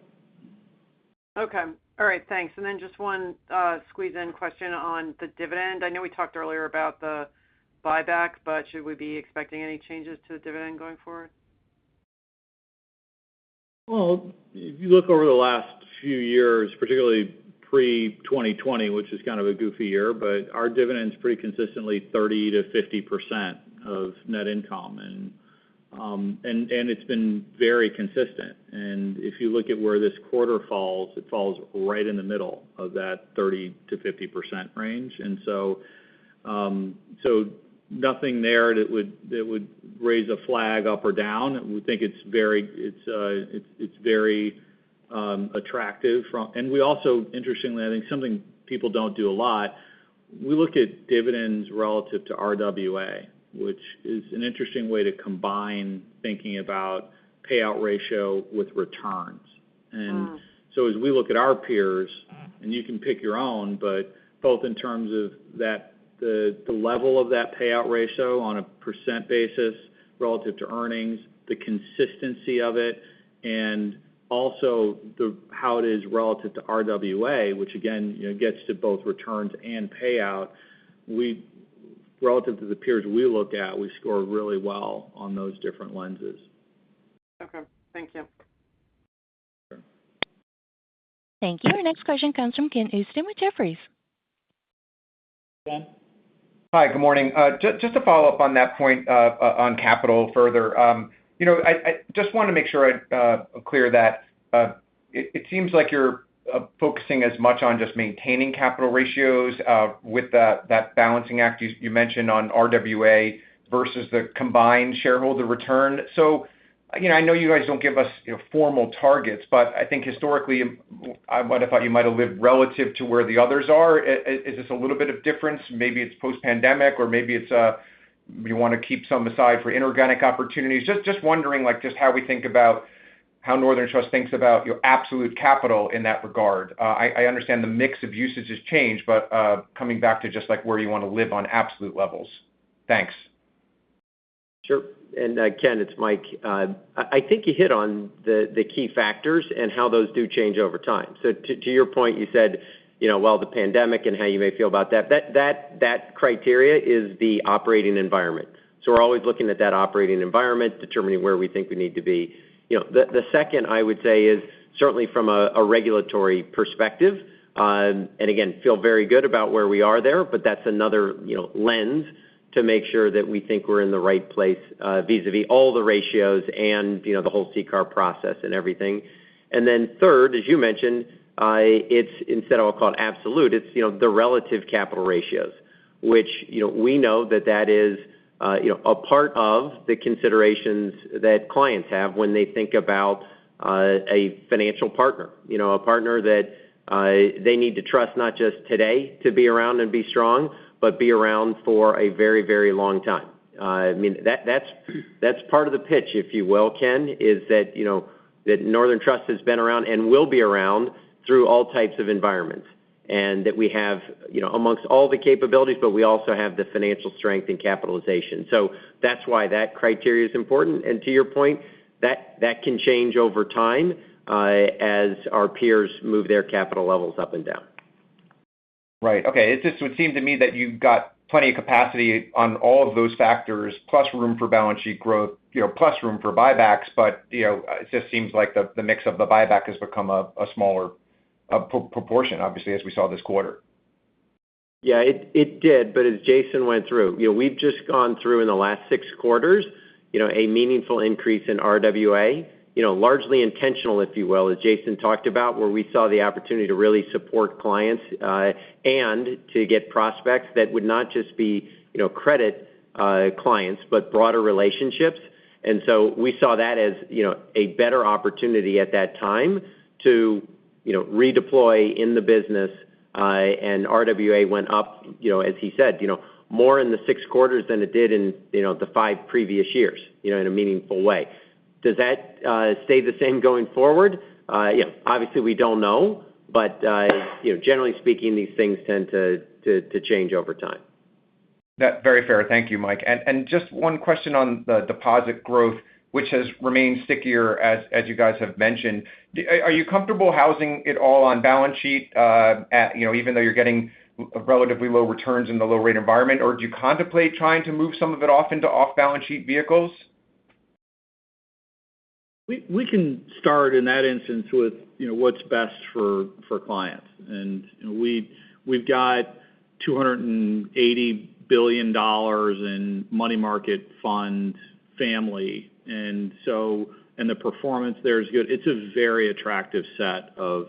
[SPEAKER 11] Okay. All right. Thanks. Just one squeeze-in question on the dividend. I know we talked earlier about the buyback, should we be expecting any changes to the dividend going forward?
[SPEAKER 4] Well, if you look over the last few years, particularly pre-2020, which is kind of a goofy year, but our dividend's pretty consistently 30%-50% of net income. It's been very consistent. If you look at where this quarter falls, it falls right in the middle of that 30%-50% range. Nothing there that would raise a flag up or down. We think it's very attractive. We also, interestingly, I think something people don't do a lot, we look at dividends relative to RWA, which is an interesting way to combine thinking about payout ratio with returns. As we look at our peers, and you can pick your own, but both in terms of the level of that payout ratio on a % basis relative to earnings, the consistency of it, and also how it is relative to RWA, which again gets to both returns and payout. Relative to the peers we look at, we score really well on those different lenses.
[SPEAKER 11] Okay. Thank you.
[SPEAKER 4] Sure.
[SPEAKER 1] Thank you. Our next question comes from Ken Usdin with Jefferies.
[SPEAKER 4] Ken.
[SPEAKER 12] Hi. Good morning. Just to follow up on that point on capital further. I just want to make sure I'm clear that it seems like you're focusing as much on just maintaining capital ratios with that balancing act you mentioned on RWA versus the combined shareholder return. I know you guys don't give us formal targets, but I think historically, I might have thought you might've lived relative to where the others are. Is this a little bit of difference? Maybe it's post-pandemic, or maybe you want to keep some aside for inorganic opportunities. Just wondering how we think about how Northern Trust thinks about your absolute capital in that regard. I understand the mix of usage has changed, but coming back to just where you want to live on absolute levels. Thanks.
[SPEAKER 3] Sure. Ken, it's Mike. I think you hit on the key factors and how those do change over time. To your point, you said while the pandemic and how you may feel about that. That criteria is the operating environment. We're always looking at that operating environment, determining where we think we need to be. The second I would say is certainly from a regulatory perspective. Again, feel very good about where we are there, but that's another lens to make sure that we think we're in the right place vis-à-vis all the ratios and the whole CCAR process and everything. Third, as you mentioned, it's instead I'll call it absolute, it's the relative capital ratios. Which we know that that is a part of the considerations that clients have when they think about a financial partner. A partner that they need to trust, not just today to be around and be strong, but be around for a very long time. That's part of the pitch, if you will, Ken, is that Northern Trust has been around and will be around through all types of environments. That we have amongst all the capabilities, but we also have the financial strength and capitalization. That's why that criteria is important. To your point, that can change over time as our peers move their capital levels up and down.
[SPEAKER 12] Right. Okay. It just would seem to me that you've got plenty of capacity on all of those factors plus room for balance sheet growth, plus room for buybacks. It just seems like the mix of the buyback has become a smaller proportion, obviously, as we saw this quarter.
[SPEAKER 3] Yeah, it did. As Jason went through, we've just gone through in the last six quarters, a meaningful increase in RWA. Largely intentional, if you will, as Jason talked about, where we saw the opportunity to really support clients, and to get prospects that would not just be credit clients, but broader relationships. We saw that as a better opportunity at that time to redeploy in the business, and RWA went up, as he said, more in the six quarters than it did in the five previous years in a meaningful way. Does that stay the same going forward? Obviously we don't know. Generally speaking, these things tend to change over time.
[SPEAKER 12] Very fair. Thank you, Mike. Just one question on the deposit growth, which has remained stickier as you guys have mentioned. Are you comfortable housing it all on balance sheet even though you're getting relatively low returns in the low rate environment? Or do you contemplate trying to move some of it off into off-balance sheet vehicles?
[SPEAKER 4] We can start in that instance with what's best for clients. We've got $280 billion in money market fund family. The performance there is good. It's a very attractive set of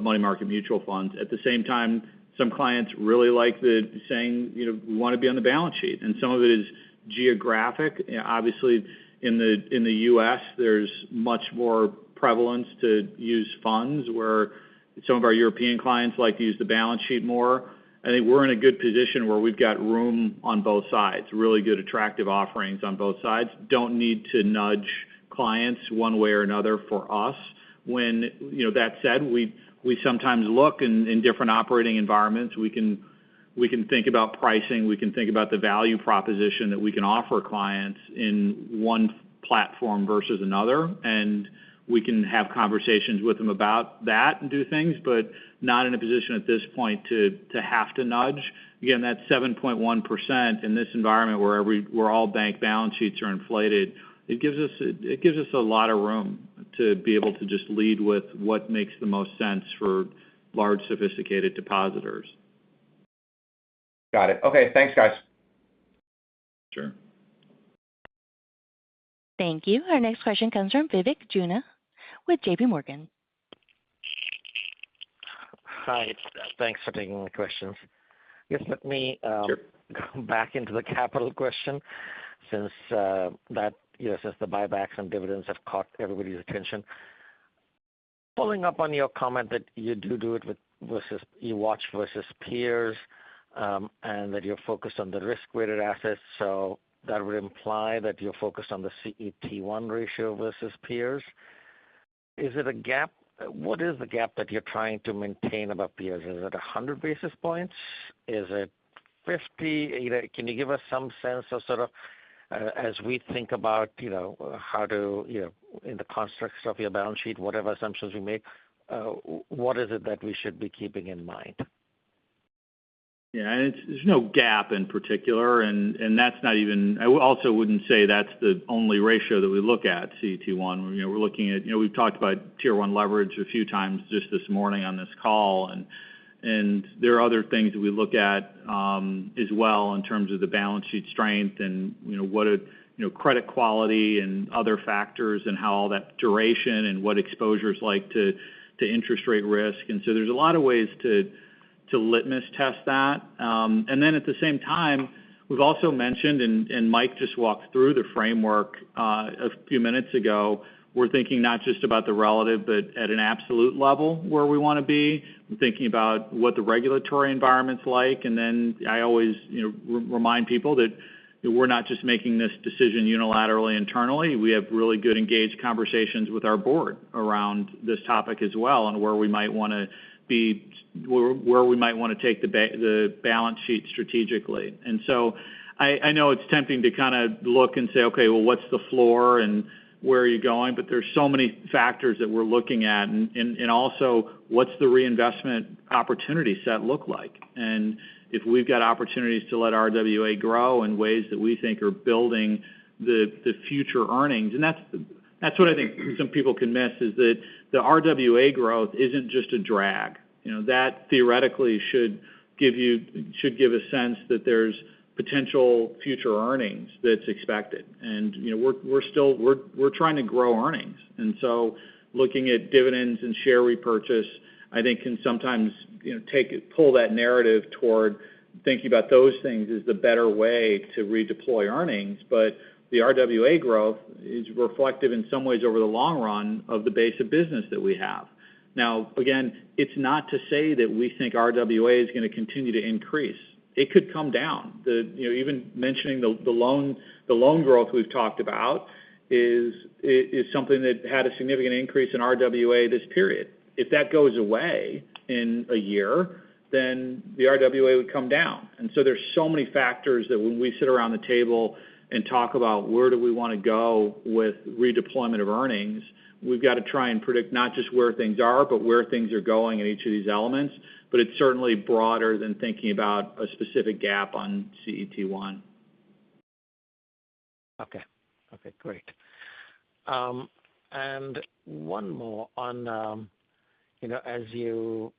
[SPEAKER 4] money market mutual funds. At the same time, some clients really like saying, "We want to be on the balance sheet." Some of it is geographic. Obviously in the U.S., there's much more prevalence to use funds, where some of our European clients like to use the balance sheet more. I think we're in a good position where we've got room on both sides, really good attractive offerings on both sides. Don't need to nudge clients one way or another for us. When that said, we sometimes look in different operating environments. We can think about pricing. We can think about the value proposition that we can offer clients in one platform versus another. We can have conversations with them about that and do things, but not in a position at this point to have to nudge. That 7.1% in this environment where all bank balance sheets are inflated, it gives us a lot of room to be able to just lead with what makes the most sense for large sophisticated depositors.
[SPEAKER 12] Got it. Okay. Thanks, guys.
[SPEAKER 4] Sure.
[SPEAKER 1] Thank you. Our next question comes from Vivek Juneja with JPMorgan.
[SPEAKER 13] Hi. Thanks for taking my questions.
[SPEAKER 4] Sure.
[SPEAKER 13] Just let me go back into the capital question since the buybacks and dividends have caught everybody's attention. Following up on your comment that you watch versus peers, and that you're focused on the risk-weighted assets, so that would imply that you're focused on the CET1 ratio versus peers. What is the gap that you're trying to maintain above peers? Is it 100 basis points? Is it 50? Can you give us some sense of sort of, as we think about how to, in the constructs of your balance sheet, whatever assumptions we make, what is it that we should be keeping in mind?
[SPEAKER 4] Yeah. There's no gap in particular. I also wouldn't say that's the only ratio that we look at, CET1. We've talked about Tier 1 leverage a few times just this morning on this call. There are other things that we look at as well in terms of the balance sheet strength and credit quality and other factors, and how all that duration and what exposure's like to interest rate risk. There's a lot of ways to litmus test that. At the same time, we've also mentioned, and Mike just walked through the framework a few minutes ago, we're thinking not just about the relative, but at an absolute level where we want to be. We're thinking about what the regulatory environment's like. I always remind people that we're not just making this decision unilaterally internally. We have really good engaged conversations with our board around this topic as well, on where we might want to take the balance sheet strategically. I know it's tempting to kind of look and say, "Okay, well, what's the floor and where are you going?" There's so many factors that we're looking at. What's the reinvestment opportunity set look like? If we've got opportunities to let RWA grow in ways that we think are building the future earnings. That's what I think some people can miss, is that the RWA growth isn't just a drag. That theoretically should give a sense that there's potential future earnings that's expected. We're trying to grow earnings. Looking at dividends and share repurchase, I think can sometimes pull that narrative toward thinking about those things as the better way to redeploy earnings. The RWA growth is reflective in some ways over the long run of the base of business that we have. Now, again, it's not to say that we think RWA is going to continue to increase. It could come down. Even mentioning the loan growth we've talked about is something that had a significant increase in RWA this period. If that goes away in a year, the RWA would come down. There's so many factors that when we sit around the table and talk about where do we want to go with redeployment of earnings, we've got to try and predict not just where things are, but where things are going in each of these elements. It's certainly broader than thinking about a specific gap on CET1.
[SPEAKER 13] Okay. Great. One more. As you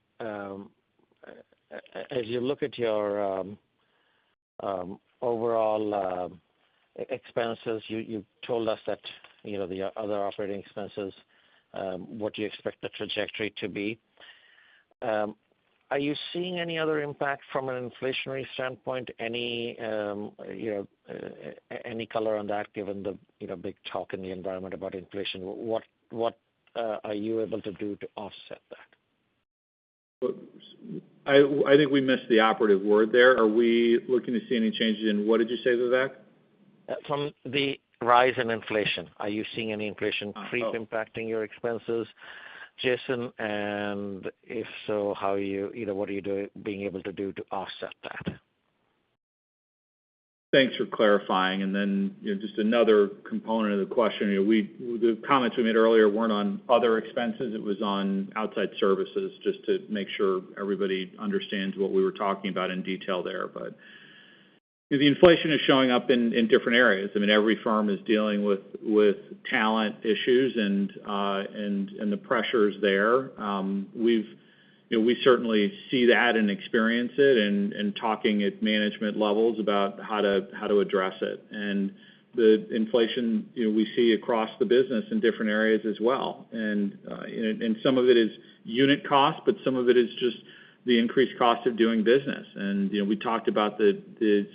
[SPEAKER 13] look at your overall expenses, you told us that the other operating expenses, what you expect the trajectory to be. Are you seeing any other impact from an inflationary standpoint? Any color on that, given the big talk in the environment about inflation? What are you able to do to offset that?
[SPEAKER 4] I think we missed the operative word there. Are we looking to see any changes in, what did you say, Vivek?
[SPEAKER 13] From the rise in inflation, are you seeing any inflation creep impacting your expenses, Jason? And if so, what are you being able to do to offset that?
[SPEAKER 4] Thanks for clarifying. Just another component of the question, the comments we made earlier weren't on other expenses, it was on outside services, just to make sure everybody understands what we were talking about in detail there. The inflation is showing up in different areas. Every firm is dealing with talent issues, and the pressure is there. We certainly see that and experience it and talking at management levels about how to address it. The inflation we see across the business in different areas as well. Some of it is unit cost, but some of it is just the increased cost of doing business. We talked about the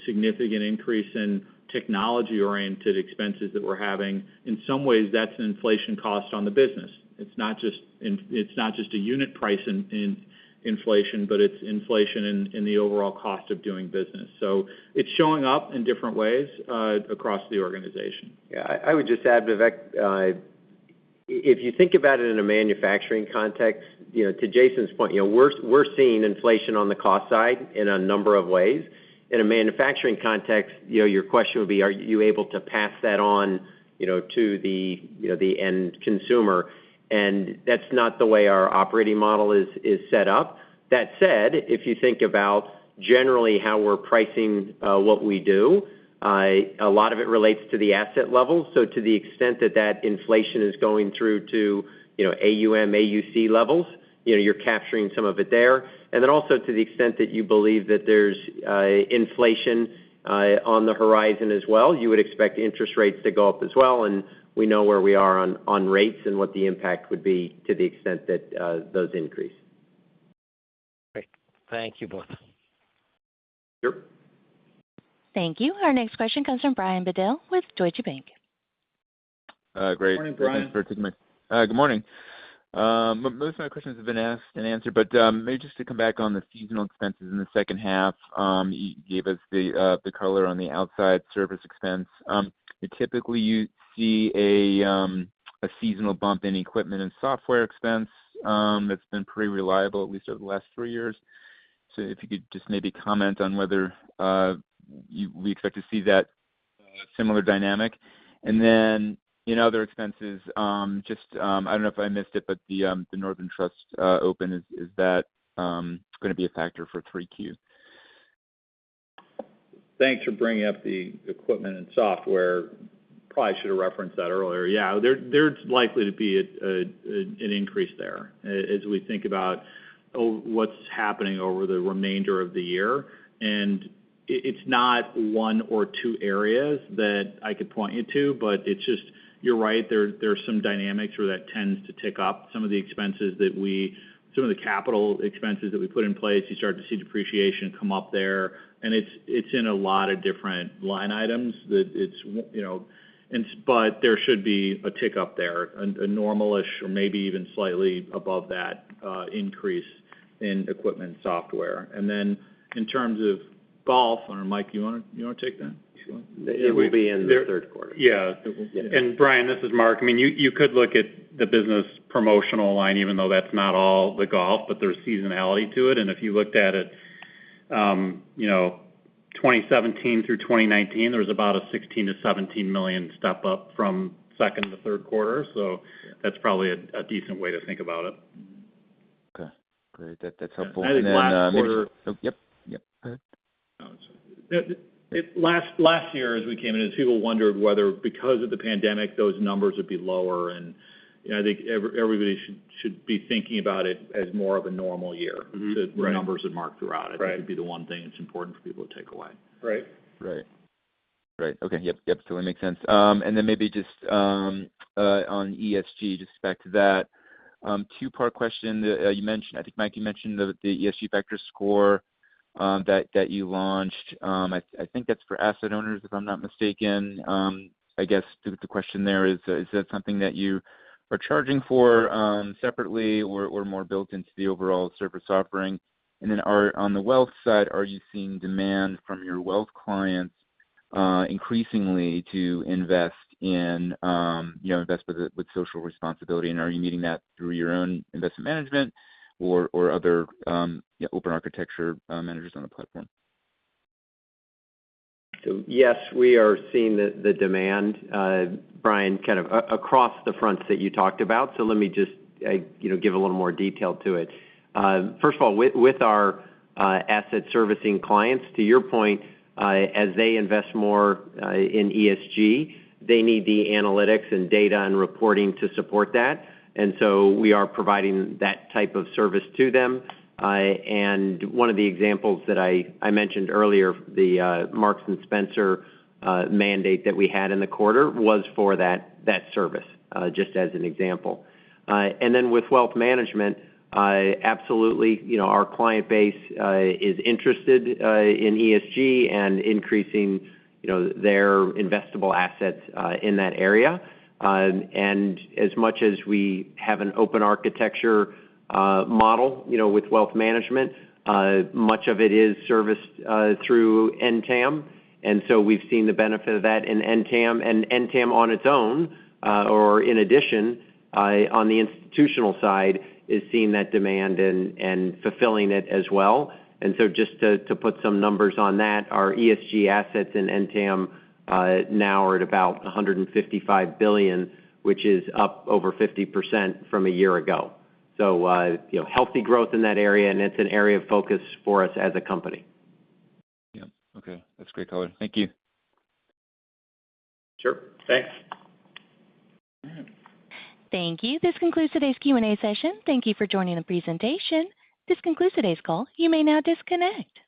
[SPEAKER 4] significant increase in technology-oriented expenses that we're having. In some ways, that's an inflation cost on the business. It's not just a unit price in inflation, but it's inflation in the overall cost of doing business. It's showing up in different ways across the organization.
[SPEAKER 3] Yeah. I would just add, Vivek, if you think about it in a manufacturing context, to Jason's point, we're seeing inflation on the cost side in a number of ways. In a manufacturing context, your question would be, are you able to pass that on to the end consumer? That's not the way our operating model is set up. That said, if you think about generally how we're pricing what we do, a lot of it relates to the asset level. To the extent that that inflation is going through to AUM, AUC levels, you're capturing some of it there. To the extent that you believe that there's inflation on the horizon as well, you would expect interest rates to go up as well, and we know where we are on rates and what the impact would be to the extent that those increase.
[SPEAKER 13] Great. Thank you both.
[SPEAKER 4] Sure.
[SPEAKER 1] Thank you. Our next question comes from Brian Bedell with Deutsche Bank.
[SPEAKER 3] Morning, Brian.
[SPEAKER 14] Great. Thanks for taking. Good morning. Most of my questions have been asked and answered, maybe just to come back on the seasonal expenses in the second half. You gave us the color on the outside service expense. Typically, you see a seasonal bump in equipment and software expense. That's been pretty reliable, at least over the last three years. If you could just maybe comment on whether we expect to see that similar dynamic. In other expenses, I don't know if I missed it, the Northern Trust Open, is that going to be a factor for 3Q?
[SPEAKER 4] Thanks for bringing up the equipment and software. Probably should've referenced that earlier. There's likely to be an increase there as we think about what's happening over the remainder of the year. It's not one or two areas that I could point you to, but it's just, you're right, there's some dynamics where that tends to tick up. Some of the capital expenses that we put in place, you start to see depreciation come up there, and it's in a lot of different line items. There should be a tick up there, a normal-ish or maybe even slightly above that increase in equipment software. In terms of golf, I don't know, Mike, you want to take that? Do you want to?
[SPEAKER 3] It will be in the third quarter.
[SPEAKER 4] Yeah.
[SPEAKER 2] It will. Yeah. Brian, this is Mark. You could look at the business promotional line, even though that's not all the golf, but there's seasonality to it. If you looked at it 2017 through 2019, there was about a $16 million-$17 million step up from second to third quarter. That's probably a decent way to think about it.
[SPEAKER 14] Okay, great. That's helpful.
[SPEAKER 4] I think last quarter-
[SPEAKER 14] Oh, yep. Go ahead.
[SPEAKER 4] Last year, as we came in, as people wondered whether because of the pandemic, those numbers would be lower, and I think everybody should be thinking about it as more of a normal year.
[SPEAKER 14] Mm-hmm. Right.
[SPEAKER 4] The numbers that Mark threw out.
[SPEAKER 14] Right
[SPEAKER 4] think would be the one thing that's important for people to take away.
[SPEAKER 14] Right. Right. Okay. Yep. Totally makes sense. Maybe just on ESG, just back to that. Two-part question. I think, Mike Mayo, you mentioned the Northern Trust ESG Vector Score that you launched. I think that's for asset owners, if I'm not mistaken. The question there is that something that you are charging for separately or more built into the overall service offering? On the wealth side, are you seeing demand from your wealth clients increasingly to invest with social responsibility, and are you meeting that through your own investment management or other open architecture managers on the platform?
[SPEAKER 3] Yes, we are seeing the demand, Brian, kind of across the fronts that you talked about. Let me just give a little more detail to it. First of all, with our asset servicing clients, to your point, as they invest more in ESG, they need the analytics and data and reporting to support that. We are providing that type of service to them. One of the examples that I mentioned earlier, the Marks & Spencer mandate that we had in the quarter, was for that service, just as an example. With wealth management, absolutely, our client base is interested in ESG and increasing their investable assets in that area. As much as we have an open architecture model with wealth management, much of it is serviced through NTAM. We've seen the benefit of that in NTAM. NTAM on its own, or in addition on the institutional side, is seeing that demand and fulfilling it as well. Just to put some numbers on that, our ESG assets in NTAM now are at about $155 billion, which is up over 50% from a year ago. Healthy growth in that area, and it's an area of focus for us as a company.
[SPEAKER 14] Yeah. Okay. That's great color. Thank you.
[SPEAKER 3] Sure. Thanks.
[SPEAKER 1] Thank you. This concludes today's Q&A session. Thank you for joining the presentation. This concludes today's call. You may now disconnect.